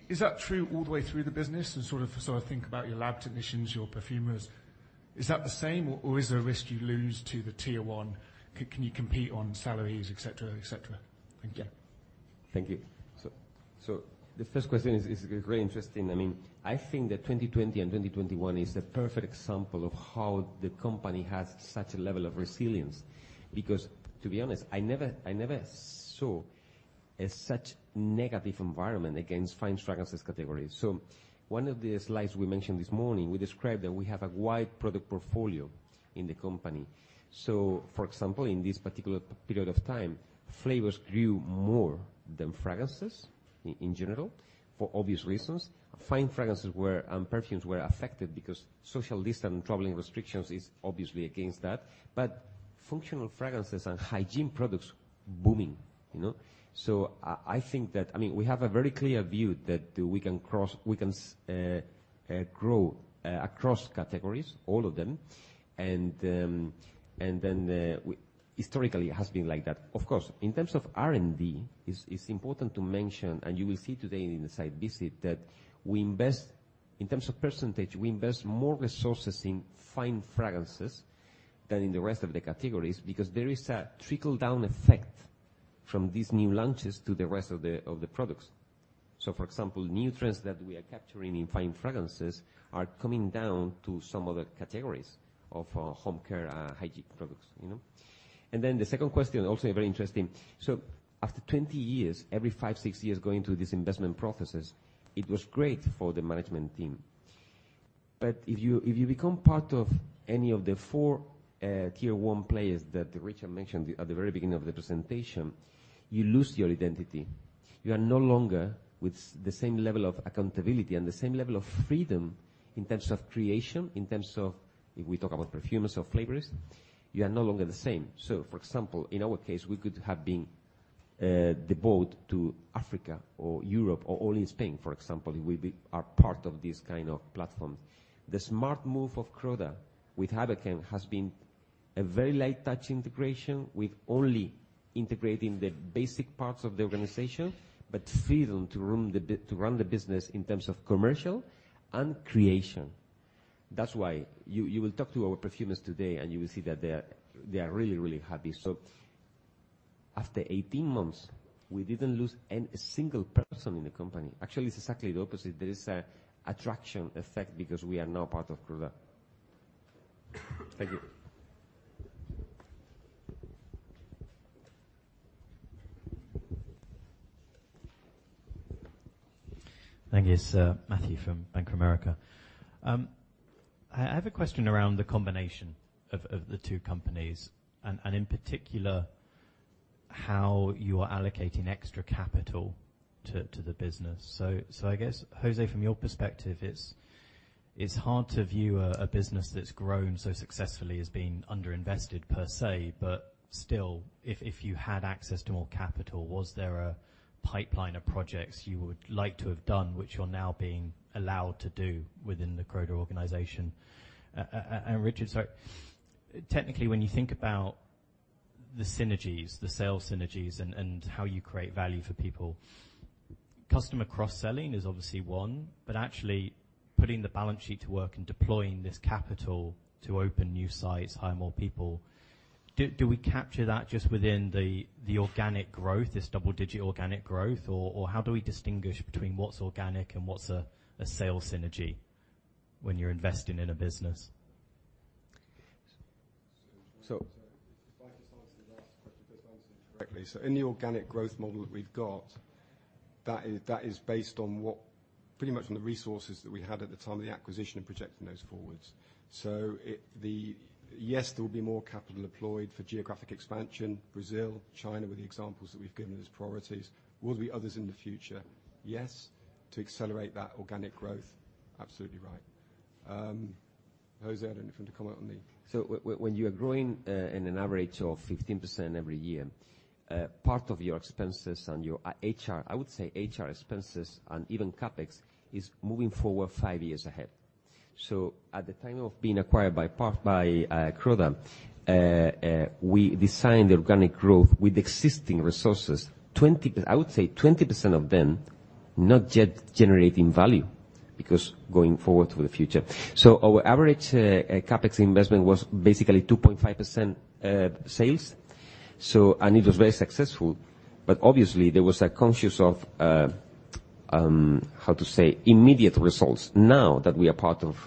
Is that true all the way through the business? Sort of, I think about your lab technicians, your perfumers. Is that the same, or is there a risk you lose to the Tier 1? Can you compete on salaries, et cetera, et cetera? Thank you. Yeah. Thank you. The first question is very interesting. I mean, I think that 2020 and 2021 is the perfect example of how the company has such a level of resilience. Because to be honest, I never saw such a negative environment against fine fragrances category. One of the slides we mentioned this morning, we described that we have a wide product portfolio in the company. For example, in this particular period of time, flavors grew more than fragrances in general for obvious reasons. Fine fragrances were and perfumes were affected because social distancing and traveling restrictions is obviously against that. Functional fragrances and hygiene products booming, you know. I think that, I mean, we have a very clear view that we can grow across categories, all of them. Historically it has been like that. Of course, in terms of R&D, it's important to mention, and you will see today in the site visit, that we invest, in terms of percentage, we invest more resources in fine fragrances than in the rest of the categories because there is a trickle-down effect from these new launches to the rest of the products. For example, nuances that we are capturing in fine fragrances are coming down to some other categories of Home Care and hygiene products, you know? The second question, also very interesting. After 20 years, every five, six years going through these investment processes, it was great for the management team. If you become part of any of the four Tier 1 players that Richard mentioned at the very beginning of the presentation, you lose your identity. You are no longer with the same level of accountability and the same level of freedom in terms of creation, in terms of if we talk about perfumers or flavorists, you are no longer the same. For example, in our case, we could have been devoted to Africa or Europe or only Spain, for example, if we are part of this kind of platform. The smart move of Croda with Iberchem has been a very light touch integration with only integrating the basic parts of the organization, but freedom to run the business in terms of commercial and creation. That's why you will talk to our perfumers today and you will see that they are really happy. After 18 months, we didn't lose any single person in the company. Actually, it's exactly the opposite. There is an attraction effect because we are now part of Croda. Thank you. Thank you, sir. Matthew from Bank of America. I have a question around the combination of the two companies and in particular, how you are allocating extra capital to the business. I guess, José, from your perspective, it's hard to view a business that's grown so successfully as being underinvested per se, but still, if you had access to more capital, was there a pipeline of projects you would like to have done which you're now being allowed to do within the Croda organization? Richard, technically, when you think about the synergies, the sales synergies and how you create value for people, customer cross-selling is obviously one, but actually putting the balance sheet to work and deploying this capital to open new sites, hire more people, do we capture that just within the organic growth, this double-digit organic growth, or how do we distinguish between what's organic and what's a sales synergy when you're investing in a business? If I could answer the last question, just answer it correctly. In the organic growth model that we've got, that is based on what pretty much on the resources that we had at the time of the acquisition and projecting those forwards. Yes, there will be more capital employed for geographic expansion. Brazil, China were the examples that we've given as priorities. Will there be others in the future? Yes. To accelerate that organic growth, absolutely right. José, I don't know if you want to comment on the— When you are growing in an average of 15% every year, part of your expenses and your HR, I would say HR expenses and even CapEx is moving forward five years ahead. At the time of being acquired by Croda, we designed the organic growth with existing resources. I would say 20% of them not yet generating value because going forward to the future. Our average CapEx investment was basically 2.5% sales. It was very successful, but obviously, there was a conscious of, how to say, immediate results. Now that we are part of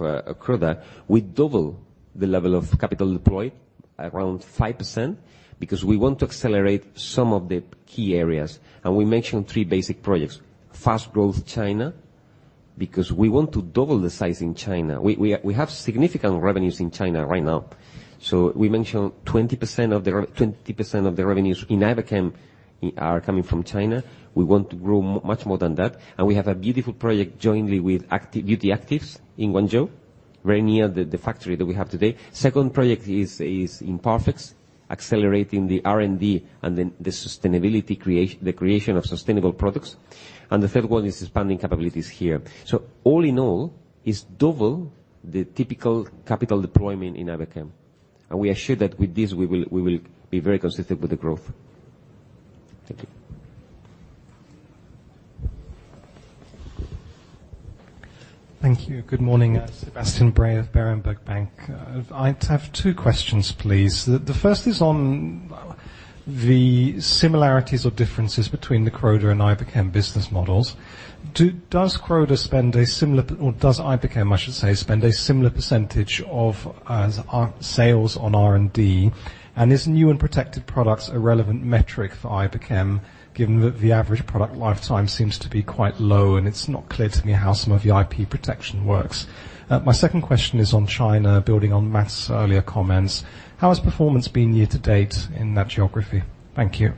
Croda, we double the level of capital deployed around 5% because we want to accelerate some of the key areas. We mentioned three basic projects. Fast growth China, because we want to double the size in China. We have significant revenues in China right now. We mentioned 20% of the revenues in Iberchem are coming from China. We want to grow much more than that. We have a beautiful project jointly with Beauty Actives in Guangzhou, very near the factory that we have today. Second project is in Parfex, accelerating the R&D and then the creation of sustainable products. The third one is expanding capabilities here. All in all, it's double the typical capital deployment in Iberchem. We are sure that with this, we will be very consistent with the growth. Thank you. Thank you. Good morning. Sebastian Bray of Berenberg Bank. I'd have two questions, please. The first is on the similarities or differences between the Croda and Iberchem business models. Does Croda spend a similar or does Iberchem, I should say, spend a similar percentage of sales on R&D? Is new and protected products a relevant metric for Iberchem, given that the average product lifetime seems to be quite low, and it's not clear to me how some of the IP protection works. My second question is on China, building on Matt's earlier comments. How has performance been year to date in that geography? Thank you.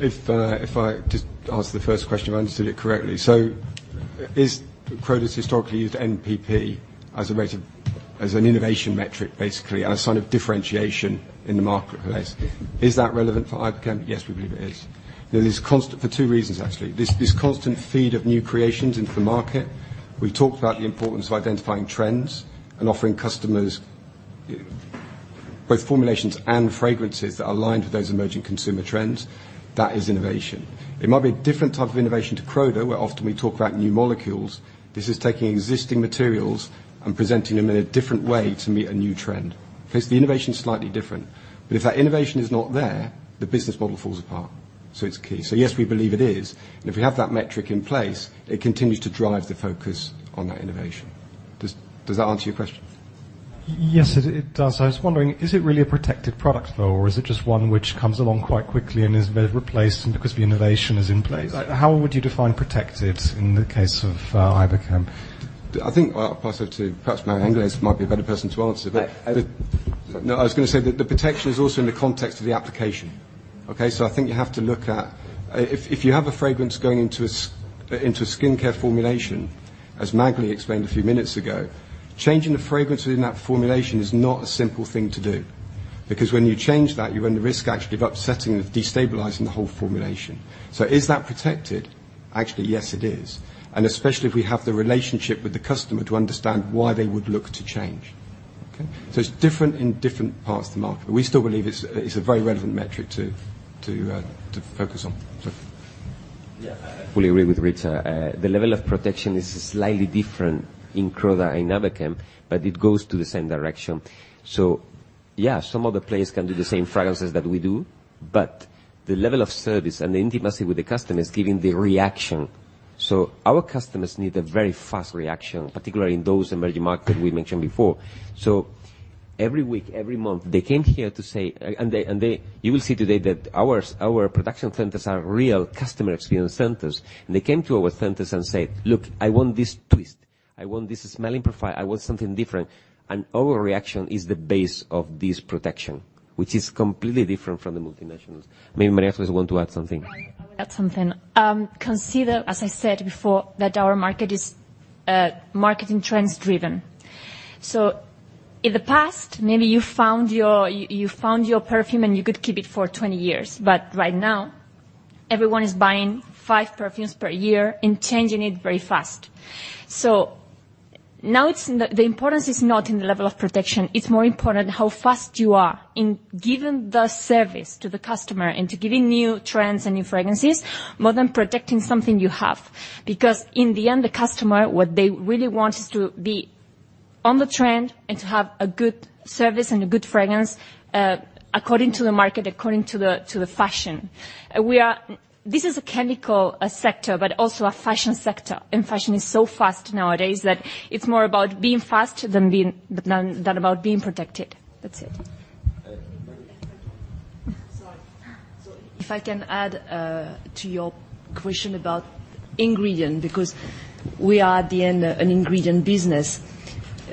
If I just answer the first question, if I understood it correctly. Has Croda historically used NPP as a measure as an innovation metric, basically, and a sign of differentiation in the marketplace? Is that relevant for Iberchem? Yes, we believe it is. For two reasons, actually. This constant feed of new creations into the market. We've talked about the importance of identifying trends and offering customers both formulations and fragrances that align with those emerging consumer trends. That is innovation. It might be a different type of innovation to Croda, where often we talk about new molecules. This is taking existing materials and presenting them in a different way to meet a new trend. The innovation is slightly different. But if that innovation is not there, the business model falls apart. It's key. Yes, we believe it is. If we have that metric in place, it continues to drive the focus on that innovation. Does that answer your question? Yes, it does. I was wondering, is it really a protected product, though, or is it just one which comes along quite quickly and is then replaced because the innovation is in place? How would you define protected in the case of Iberchem? I think I'll pass it to perhaps María Ángeles might be a better person to answer. No, I was gonna say that the protection is also in the context of the application. I think you have to look at if you have a fragrance going into a skincare formulation, as Magali explained a few minutes ago, changing the fragrance in that formulation is not a simple thing to do. Because when you change that, you run the risk actually of upsetting and destabilizing the whole formulation. Is that protected? Actually, yes, it is. Especially if we have the relationship with the customer to understand why they would look to change. It's different in different parts of the market. We still believe it's a very relevant metric to focus on. Yeah, I fully agree with Richard. The level of protection is slightly different in Croda and Iberchem, but it goes in the same direction. Yeah, some of the players can do the same fragrances that we do, but the level of service and the intimacy with the customer is giving the reaction. Our customers need a very fast reaction, particularly in those emerging markets we mentioned before. Every week, every month, they came here to say. You will see today that our production centers are real customer experience centers. They came to our centers and said, "Look, I want this twist. I want this smelling profile. I want something different." Our reaction is the base of this protection, which is completely different from the multinationals. Maybe María also want to add something. I will add something. Consider, as I said before, that our market is marketing trends driven. In the past, maybe you found your perfume, and you could keep it for 20 years. Right now, everyone is buying five perfumes per year and changing it very fast. Now the importance is not in the level of protection. It's more important how fast you are in giving the service to the customer and to giving new trends and new fragrances more than protecting something you have. Because in the end, the customer, what they really want is to be on the trend and to have a good service and a good fragrance according to the market, according to the fashion. This is a chemical sector, but also a fashion sector. Fashion is so fast nowadays that it's more about being fast than about being protected. That's it. If I can add to your question about ingredient, because we are at the end, an ingredient business.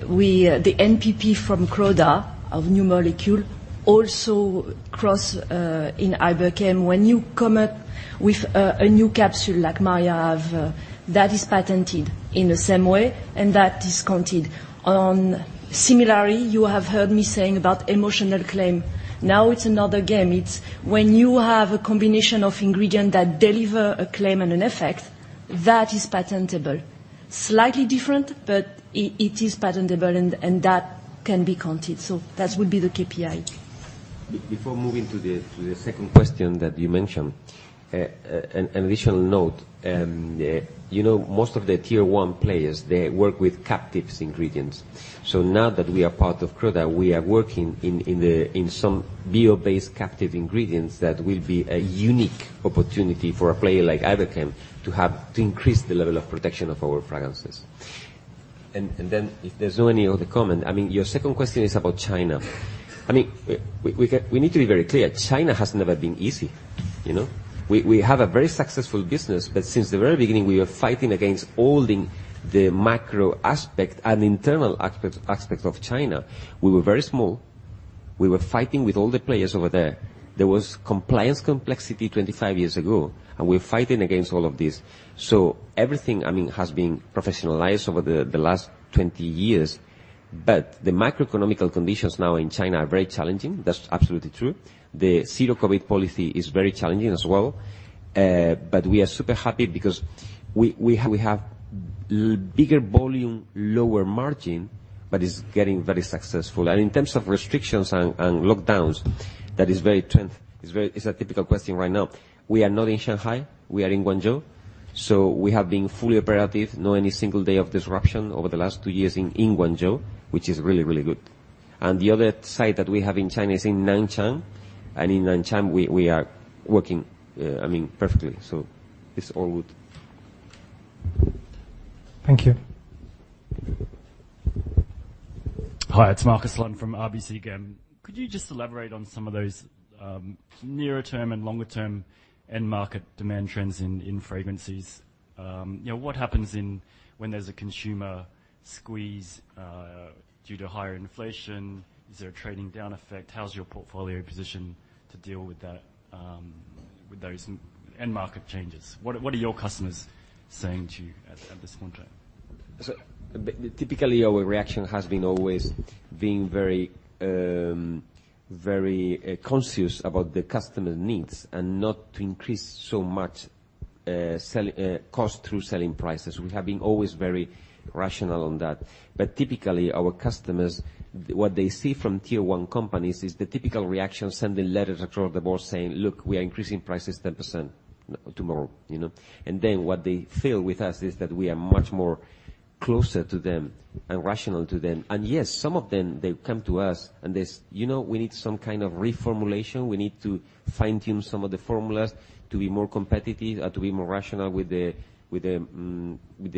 We, the NPP from Croda of new molecule also cross in Iberchem. When you come up with a new capsule like María have, that is patented in the same way and that is counted. And similarly, you have heard me saying about emotional claim. Now it's another game. It's when you have a combination of ingredient that deliver a claim and an effect, that is patentable. Slightly different, but it is patentable and that can be counted. That would be the KPI. Before moving to the second question that you mentioned. An additional note, you know, most of the Tier 1 players, they work with captive ingredients. So now that we are part of Croda, we are working in some bio-based captive ingredients that will be a unique opportunity for a player like Iberchem to have to increase the level of protection of our fragrances. Then if there's any other comment. I mean, your second question is about China. I mean, we need to be very clear. China has never been easy, you know? We have a very successful business, but since the very beginning, we are fighting against all the macro aspect and internal aspect of China. We were very small. We were fighting with all the players over there. There was compliance complexity 25 years ago, and we're fighting against all of this. Everything, I mean, has been professionalized over the last 20 years. The microeconomic conditions now in China are very challenging. That's absolutely true. The Zero-COVID policy is very challenging as well. We are super happy because we have bigger volume, lower margin, but it's getting very successful. In terms of restrictions and lockdowns, that is a typical question right now. We are not in Shanghai. We are in Guangzhou, so we have been fully operative, not any single day of disruption over the last two years in Guangzhou, which is really good. The other site that we have in China is in Nanchang. In Nanchang, we are working, I mean, perfectly. It's all good. Thank you. Hi, it's Marcus on from RBC again. Could you just elaborate on some of those nearer term and longer term end market demand trends in fragrances? You know, what happens when there's a consumer squeeze due to higher inflation? Is there a trading down effect? How's your portfolio positioned to deal with that? With those end market changes? What are your customers saying to you at this juncture? Typically, our reaction has been always being very conscious about the customer needs and not to increase so much selling cost through selling prices. We have been always very rational on that. Typically, our customers, what they see from Tier 1 companies is the typical reaction, sending letters across the board saying, "Look, we are increasing prices 10% tomorrow," you know? Then what they feel with us is that we are much more closer to them and rational to them. Yes, some of them, they come to us and they, "You know, we need some kind of reformulation. We need to fine-tune some of the formulas to be more competitive, to be more rational with the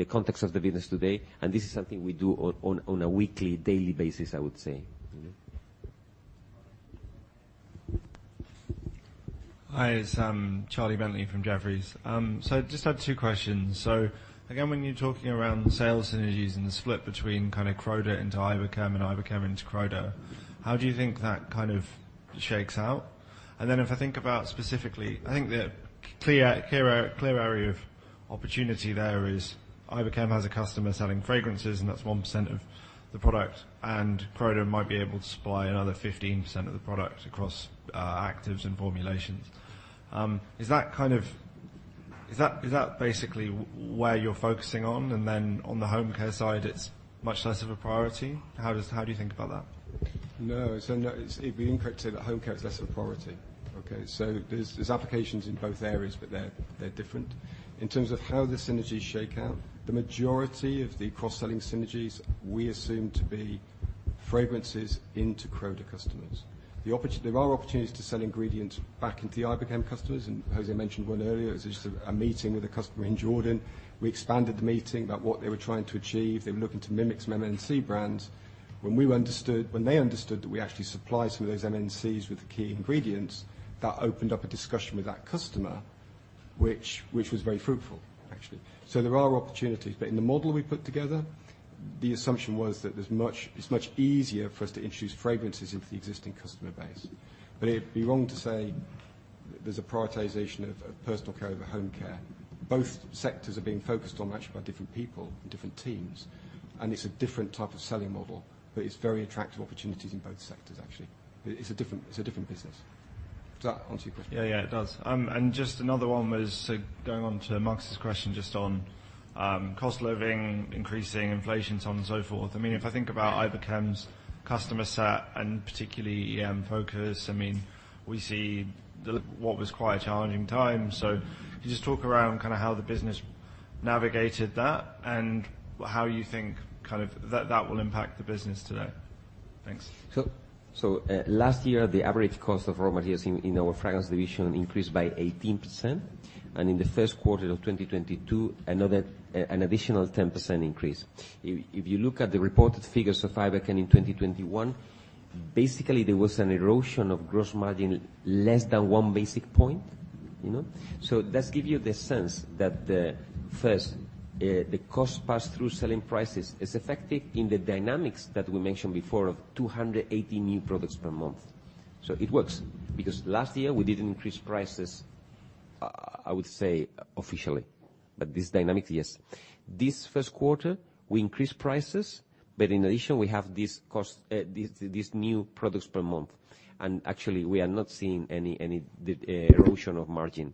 context of the business today. This is something we do on a weekly, daily basis, I would say. Hi, it's Charlie Bentley from Jefferies. Just had two questions. Again, when you're talking around sales synergies and the split between kinda Croda into Iberchem and Iberchem into Croda, how do you think that kind of shakes out? If I think about specifically, I think the clear area of opportunity there is Iberchem has a customer selling fragrances, and that's 1% of the product. Croda might be able to supply another 15% of the product across actives and formulations. Is that basically where you're focusing on? On the Home Care side, it's much less of a priority? How do you think about that? No, no, it'd be incorrect to say that home care is less a priority. There's applications in both areas, but they're different. In terms of how the synergies shake out, the majority of the cross-selling synergies we assume to be fragrances into Croda customers. There are opportunities to sell ingredients back into the Iberchem customers, and José mentioned one earlier. It was just a meeting with a customer in Jordan. We expanded the meeting about what they were trying to achieve. They were looking to mimic some MNC brands. When they understood that we actually supply some of those MNCs with the key ingredients, that opened up a conversation with that customer which was very fruitful actually. There are opportunities. In the model we put together, the assumption was that there's much. It's much easier for us to introduce Fragrances into the existing customer base. It'd be wrong to say there's a prioritization of Personal Care over Home Care. Both sectors are being focused on actually by different people and different teams, and it's a different type of selling model, but it's very attractive opportunities in both sectors actually. It's a different business. Does that answer your question? Yeah. Yeah, it does. Just another one going on to Marcus' question just on cost of living increasing, inflation, so on and so forth. I mean, if I think about Iberchem's customer set and particularly EM focus, I mean, we see what was quite a challenging time. Can you just talk around kinda how the business navigated that and how you think kind of that will impact the business today? Thanks. Last year the average cost of raw materials in our Fragrance division increased by 18%, and in the first quarter of 2022, an additional 10% increase. If you look at the reported figures of Iberchem in 2021, basically there was an erosion of gross margin less than one basis point, you know. That give you the sense that the cost pass-through selling prices is effective in the dynamics that we mentioned before of 280 new products per month. It works because last year we didn't increase prices, I would say officially, but this dynamic, yes. This first quarter we increased prices, but in addition we have this cost, these new products per month, and actually we are not seeing any erosion of margin.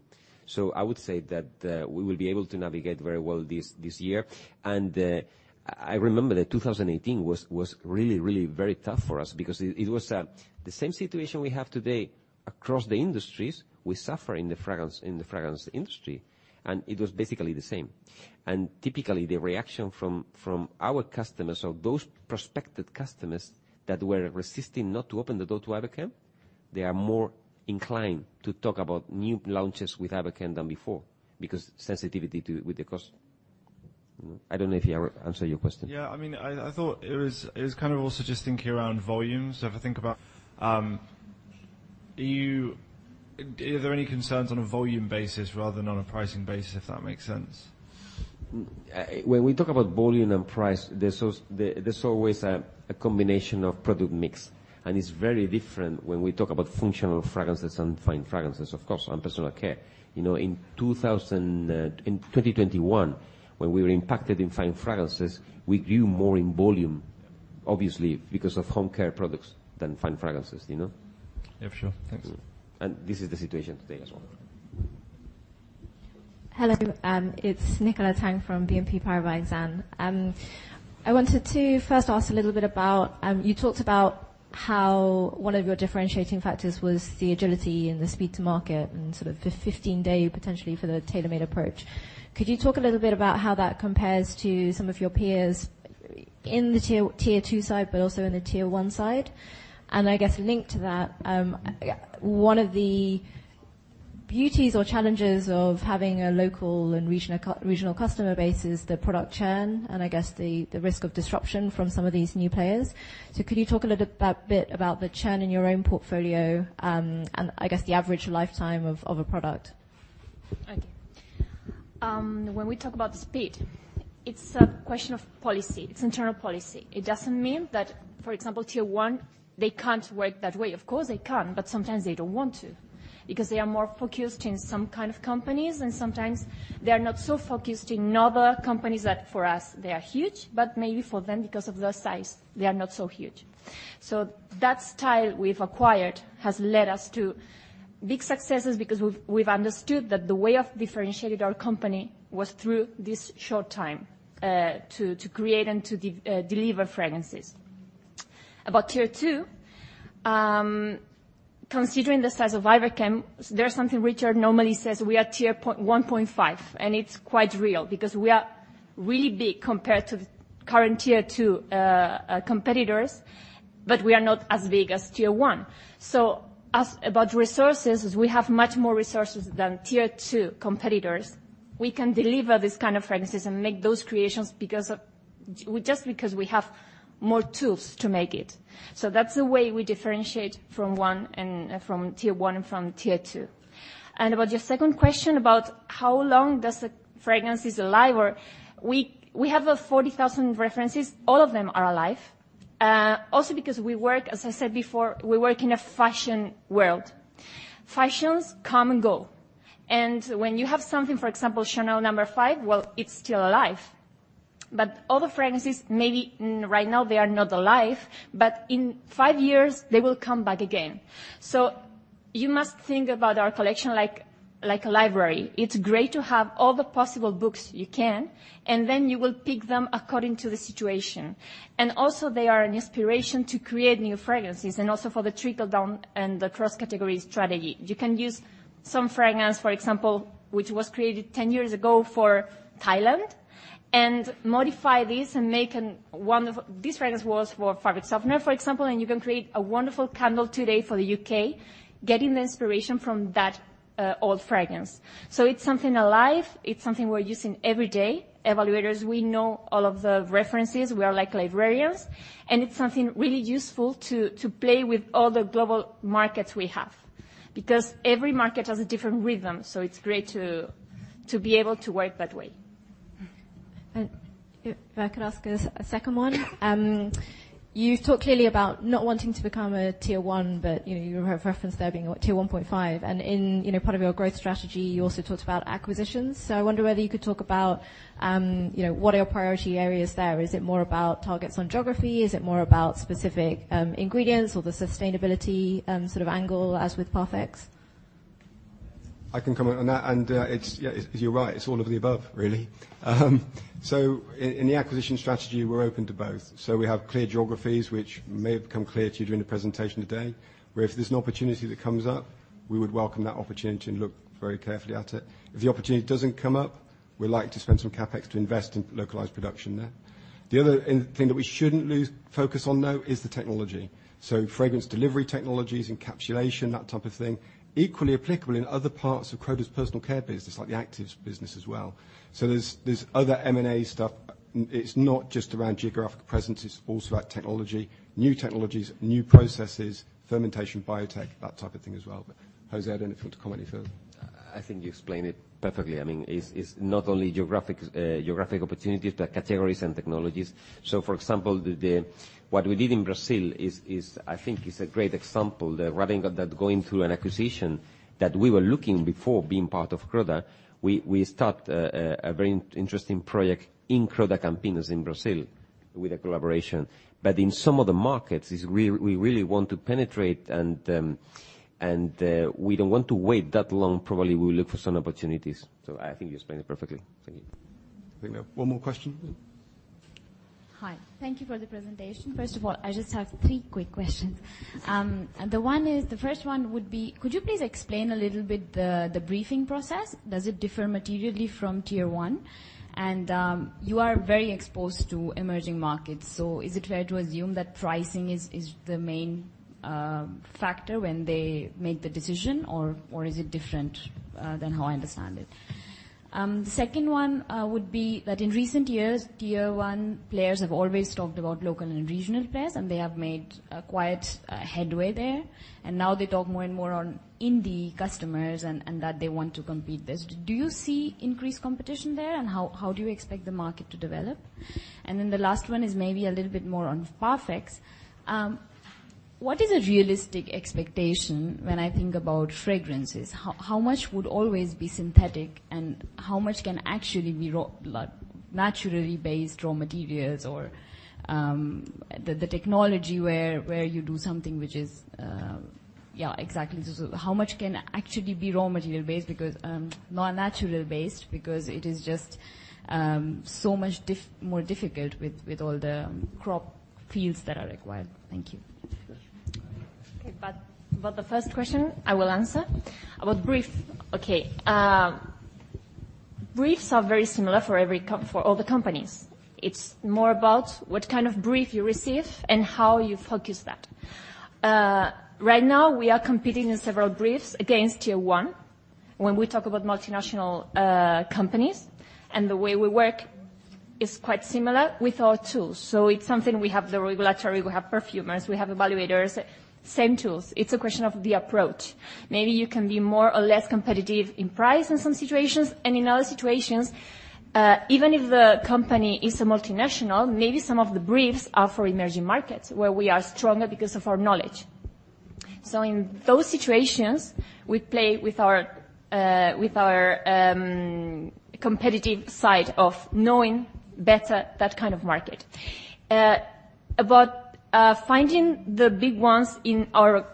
I would say that we will be able to navigate very well this year. I remember that 2018 was really very tough for us because it was the same situation we have today across the industries. We suffer in the fragrance industry, and it was basically the same. Typically the reaction from our customers or those prospective customers that were resisting not to open the door to Iberchem. They are more inclined to talk about new launches with Iberchem than before because of sensitivity to cost. You know? I don't know if I answer your question. Yeah, I mean, I thought it was kind of also just thinking around volumes. If I think about, are there any concerns on a volume basis rather than on a pricing basis, if that makes sense? When we talk about volume and price, there's always a combination of product mix, and it's very different when we talk about functional fragrances and fine fragrances of course on personal care. You know, in 2021 when we were impacted in fine fragrances, we grew more in volume obviously because of Home Care products than fine fragrances, you know. Yeah, for sure. Thanks. This is the situation today as well. Hello, it's Nicola Tang from BNP Paribas Exane. I wanted to first ask a little bit about, you talked about how one of your differentiating factors was the agility and the speed to market and sort of the 15-day potentially for the tailor-made approach. Could you talk a little bit about how that compares to some of your peers in the Tier 2 side, but also in the Tier 1 side? I guess linked to that, one of the beauties or challenges of having a local and regional customer base is the product churn, and I guess the risk of disruption from some of these new players. Could you talk a little bit about the churn in your own portfolio, and I guess the average lifetime of a product? When we talk about speed, it's a question of policy. It's internal policy. It doesn't mean that for example, Tier 1, they can't work that way. Of course they can, but sometimes they don't want to because they are more focused in some kind of companies and sometimes they are not so focused in other companies that for us they are huge, but maybe for them because of their size, they are not so huge. That style we've acquired has led us to big successes because we've understood that the way of differentiating our company was through this short time to create and to deliver fragrances. About Tier 2, considering the size of Iberchem, there's something Richard normally says, we are Tier 1.5, and it's quite real because we are really big compared to the current Tier 2 competitors, but we are not as big as Tier 1. So about resources, we have much more resources than Tier 2 competitors. We can deliver this kind of fragrances and make those creations because just because we have more tools to make it. So that's the way we differentiate from Tier 1 and from Tier 2. About your second question about how long does the fragrances alive, we have 40,000 references, all of them are alive. Also because we work, as I said before, we work in a fashion world. Fashions come and go, and when you have something, for example, Chanel No. 5, well, it's still alive. Other fragrances, maybe right now they are not alive, but in five years they will come back again. You must think about our collection like a library. It's great to have all the possible books you can, and then you will pick them according to the situation. Also they are an inspiration to create new fragrances and also for the trickle-down and the cross-category strategy. You can use some fragrance, for example, which was created 10 years ago for Thailand. Modify this and make a wonderful fragrance. This fragrance was for fabric softener, for example, and you can create a wonderful candle today for the U.K., getting the inspiration from that old fragrance. It's something alive. It's something we're using every day. Evaluators, we know all of the references. We are like librarians. It's something really useful to play with all the global markets we have. Because every market has a different rhythm, so it's great to be able to work that way. If I could ask a second one. You've talked clearly about not wanting to become a Tier 1, but you know, you referenced there being a Tier 1.5. In you know, part of your growth strategy, you also talked about acquisitions. I wonder whether you could talk about what are your priority areas there? Is it more about targets on geography? Is it more about specific ingredients or the sustainability sort of angle, as with Parfex? I can comment on that, and, it's. Yeah, you're right, it's all of the above, really. In the acquisition strategy, we're open to both. We have clear geographies which may have become clear to you during the presentation today, where if there's an opportunity that comes up, we would welcome that opportunity and look very carefully at it. If the opportunity doesn't come up, we like to spend some CapEx to invest in localized production there. The other thing that we shouldn't lose focus on, though, is the technology. Fragrance delivery technologies, encapsulation, that type of thing, equally applicable in other parts of Croda's personal care business, like the actives business as well. There's other M&A stuff. It's not just around geographic presence, it's also about technology, new technologies, new processes, fermentation, biotech, that type of thing as well. José, I don't know if you want to comment any further. I think you explained it perfectly. I mean, it's not only geographic opportunities, but categories and technologies. For example, what we did in Brazil is I think a great example. The running of that going through an acquisition that we were looking before being part of Croda. We start a very interesting project in Croda Campinas in Brazil with a collaboration. But in some of the markets is we really want to penetrate and we don't want to wait that long. Probably we'll look for some opportunities. I think you explained it perfectly. Thank you. One more question. Hi. Thank you for the presentation. First of all, I just have three quick questions. Could you please explain a little bit the briefing process? Does it differ materially from Tier 1? You are very exposed to emerging markets, so is it fair to assume that pricing is the main factor when they make the decision or is it different than how I understand it? Second one would be that in recent years, Tier 1 players have always talked about local and regional players, and they have made quite a headway there. Now they talk more and more on indie customers and that they want to compete in this. Do you see increased competition there? How do you expect the market to develop? The last one is maybe a little bit more on Parfex. What is a realistic expectation when I think about fragrances? How much would always be synthetic and how much can actually be raw, like naturally based raw materials or the technology where you do something which is exactly. So how much can actually be raw material based because not natural based because it is just so much more difficult with all the crop fields that are required. Thank you. The first question I will answer. About brief. Briefs are very similar for every comp, for all the companies. It's more about what kind of brief you receive and how you focus that. Right now we are competing in several briefs against Tier 1 when we talk about multinational companies. The way we work is quite similar with our tools. It's something we have the regulatory, we have perfumers, we have evaluators, same tools. It's a question of the approach. Maybe you can be more or less competitive in price in some situations. In other situations, even if the company is a multinational, maybe some of the briefs are for emerging markets where we are stronger because of our knowledge. In those situations, we play with our competitive side of knowing better that kind of market. About finding the big ones in our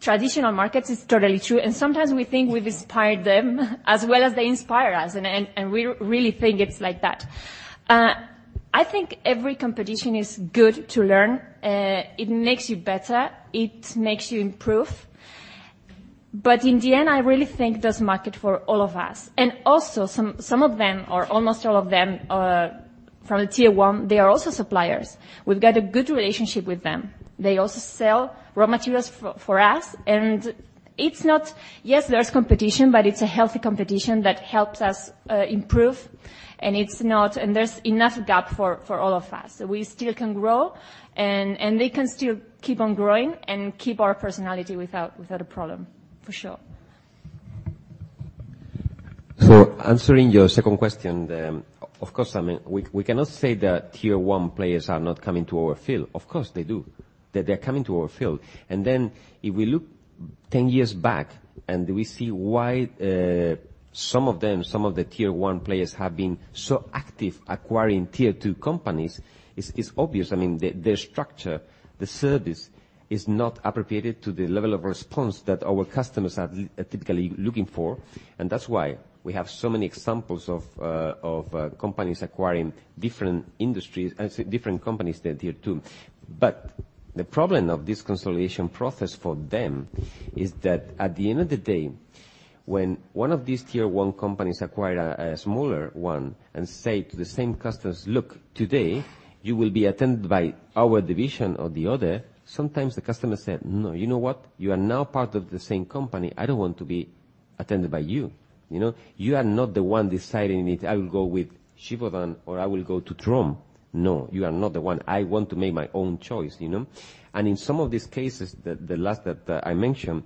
traditional markets is totally true. Sometimes we think we've inspired them as well as they inspire us, and we really think it's like that. I think every competition is good to learn. It makes you better. It makes you improve. In the end, I really think there's market for all of us. Also some of them or almost all of them are from the Tier 1, they are also suppliers. We've got a good relationship with them. They also sell raw materials for us, and it's not. Yes, there's competition, but it's a healthy competition that helps us improve, and there's enough gap for all of us. We still can grow and they can still keep on growing and keep our personality without a problem. For sure. Answering your second question, of course, I mean, we cannot say that Tier 1 players are not coming to our field. Of course, they do. They're coming to our field. If we look ten years back and we see why some of them, some of the Tier 1 players have been so active acquiring Tier 2 companies, it's obvious. I mean, their structure, the service is not appropriate to the level of response that our customers are typically looking for. That's why we have so many examples of companies acquiring different industries and different companies than Tier 2. The problem of this consolidation process for them is that at the end of the day, when one of these Tier 1 companies acquire a smaller one and say to the same customers, "Look, today you will be attended by our division or the other," sometimes the customer said, "No. You know what? You are now part of the same company. I don't want to be attended by you know? You are not the one deciding if I will go with Givaudan or I will go to Drom. No, you are not the one. I want to make my own choice," you know? In some of these cases, the last that I mentioned,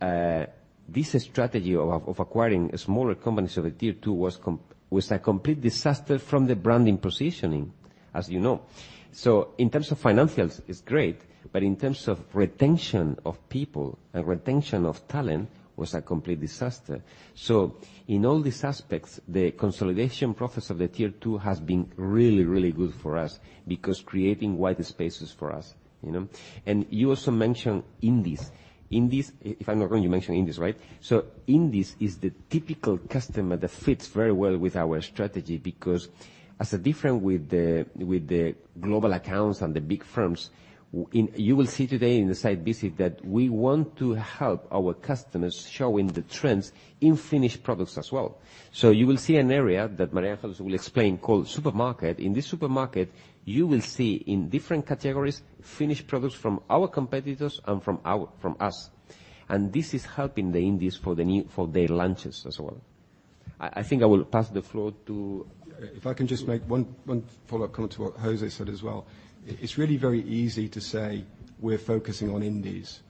this strategy of acquiring smaller companies of a Tier 2 was a complete disaster from the branding positioning, as you know. In terms of financials, it's great, but in terms of retention of people and retention of talent, was a complete disaster. In all these aspects, the consolidation process of the Tier 2 has been really, really good for us because creating wide spaces for us, you know? You also mentioned indies. Indies, if I'm not wrong, you mentioned indies, right? Indies is the typical customer that fits very well with our strategy because as different from the global accounts and the big firms. You will see today in the site visit that we want to help our customers showing the trends in finished products as well. You will see an area that María Ángeles will explain called Supermarket. In this Supermarket, you will see in different categories, finished products from our competitors and from us. This is helping the indies for their launches as well. I think I will pass the floor to— If I can just make one follow-up comment to what José said as well. It's really very easy to say we're focusing on indies,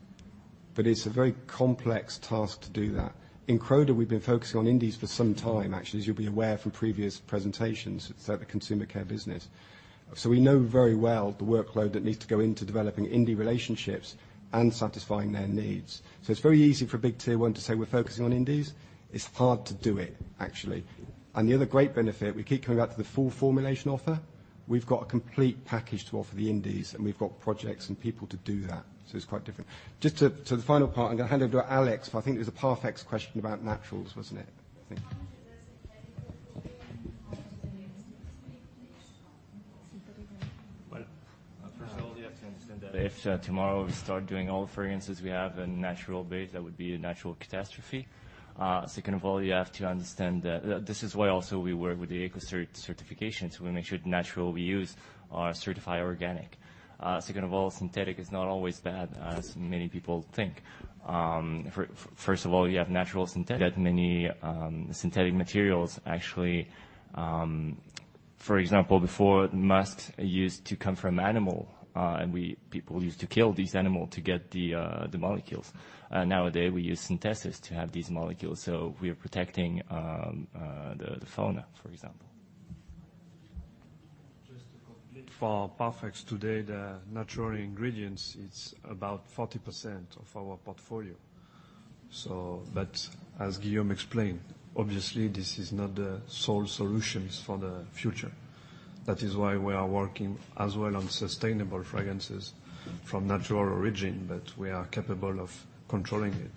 but it's a very complex task to do that. In Croda, we've been focusing on indies for some time actually, as you'll be aware from previous presentations at the consumer care business. We know very well the workload that needs to go into developing indie relationships and satisfying their needs. It's very easy for big Tier 1 to say we're focusing on indies. It's hard to do it actually. The other great benefit, we keep coming back to the full formulation offer. We've got a complete package to offer the indies, and we've got projects and people to do that. It's quite different. Just to the final part, I'm gonna hand over to Alex, but I think there's a Parfex question about naturals, wasn't it? Well, first of all, you have to understand that if tomorrow we start doing all fragrances we have in natural base, that would be a natural catastrophe. Second of all, you have to understand that this is why also we work with the Ecocert certification, so we make sure the natural we use are certified organic. Second of all, synthetic is not always bad as many people think. First of all, you have natural synthetic. That many synthetic materials actually. For example, before musk used to come from animal, and people used to kill this animal to get the molecules. Nowadays we use synthesis to have these molecules. We are protecting the fauna, for example. Just to complete, for Parfex today, the natural ingredients, it's about 40% of our portfolio. But as Guillaume explained, obviously this is not the sole solutions for the future. That is why we are working as well on sustainable fragrances from natural origin, but we are capable of controlling it.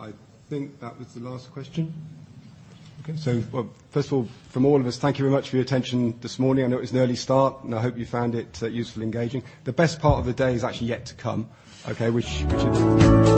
I think that was the last question. First of all, from all of us, thank you very much for your attention this morning. I know it was an early start, and I hope you found it useful engaging. The best part of the day is actually yet to come, okay?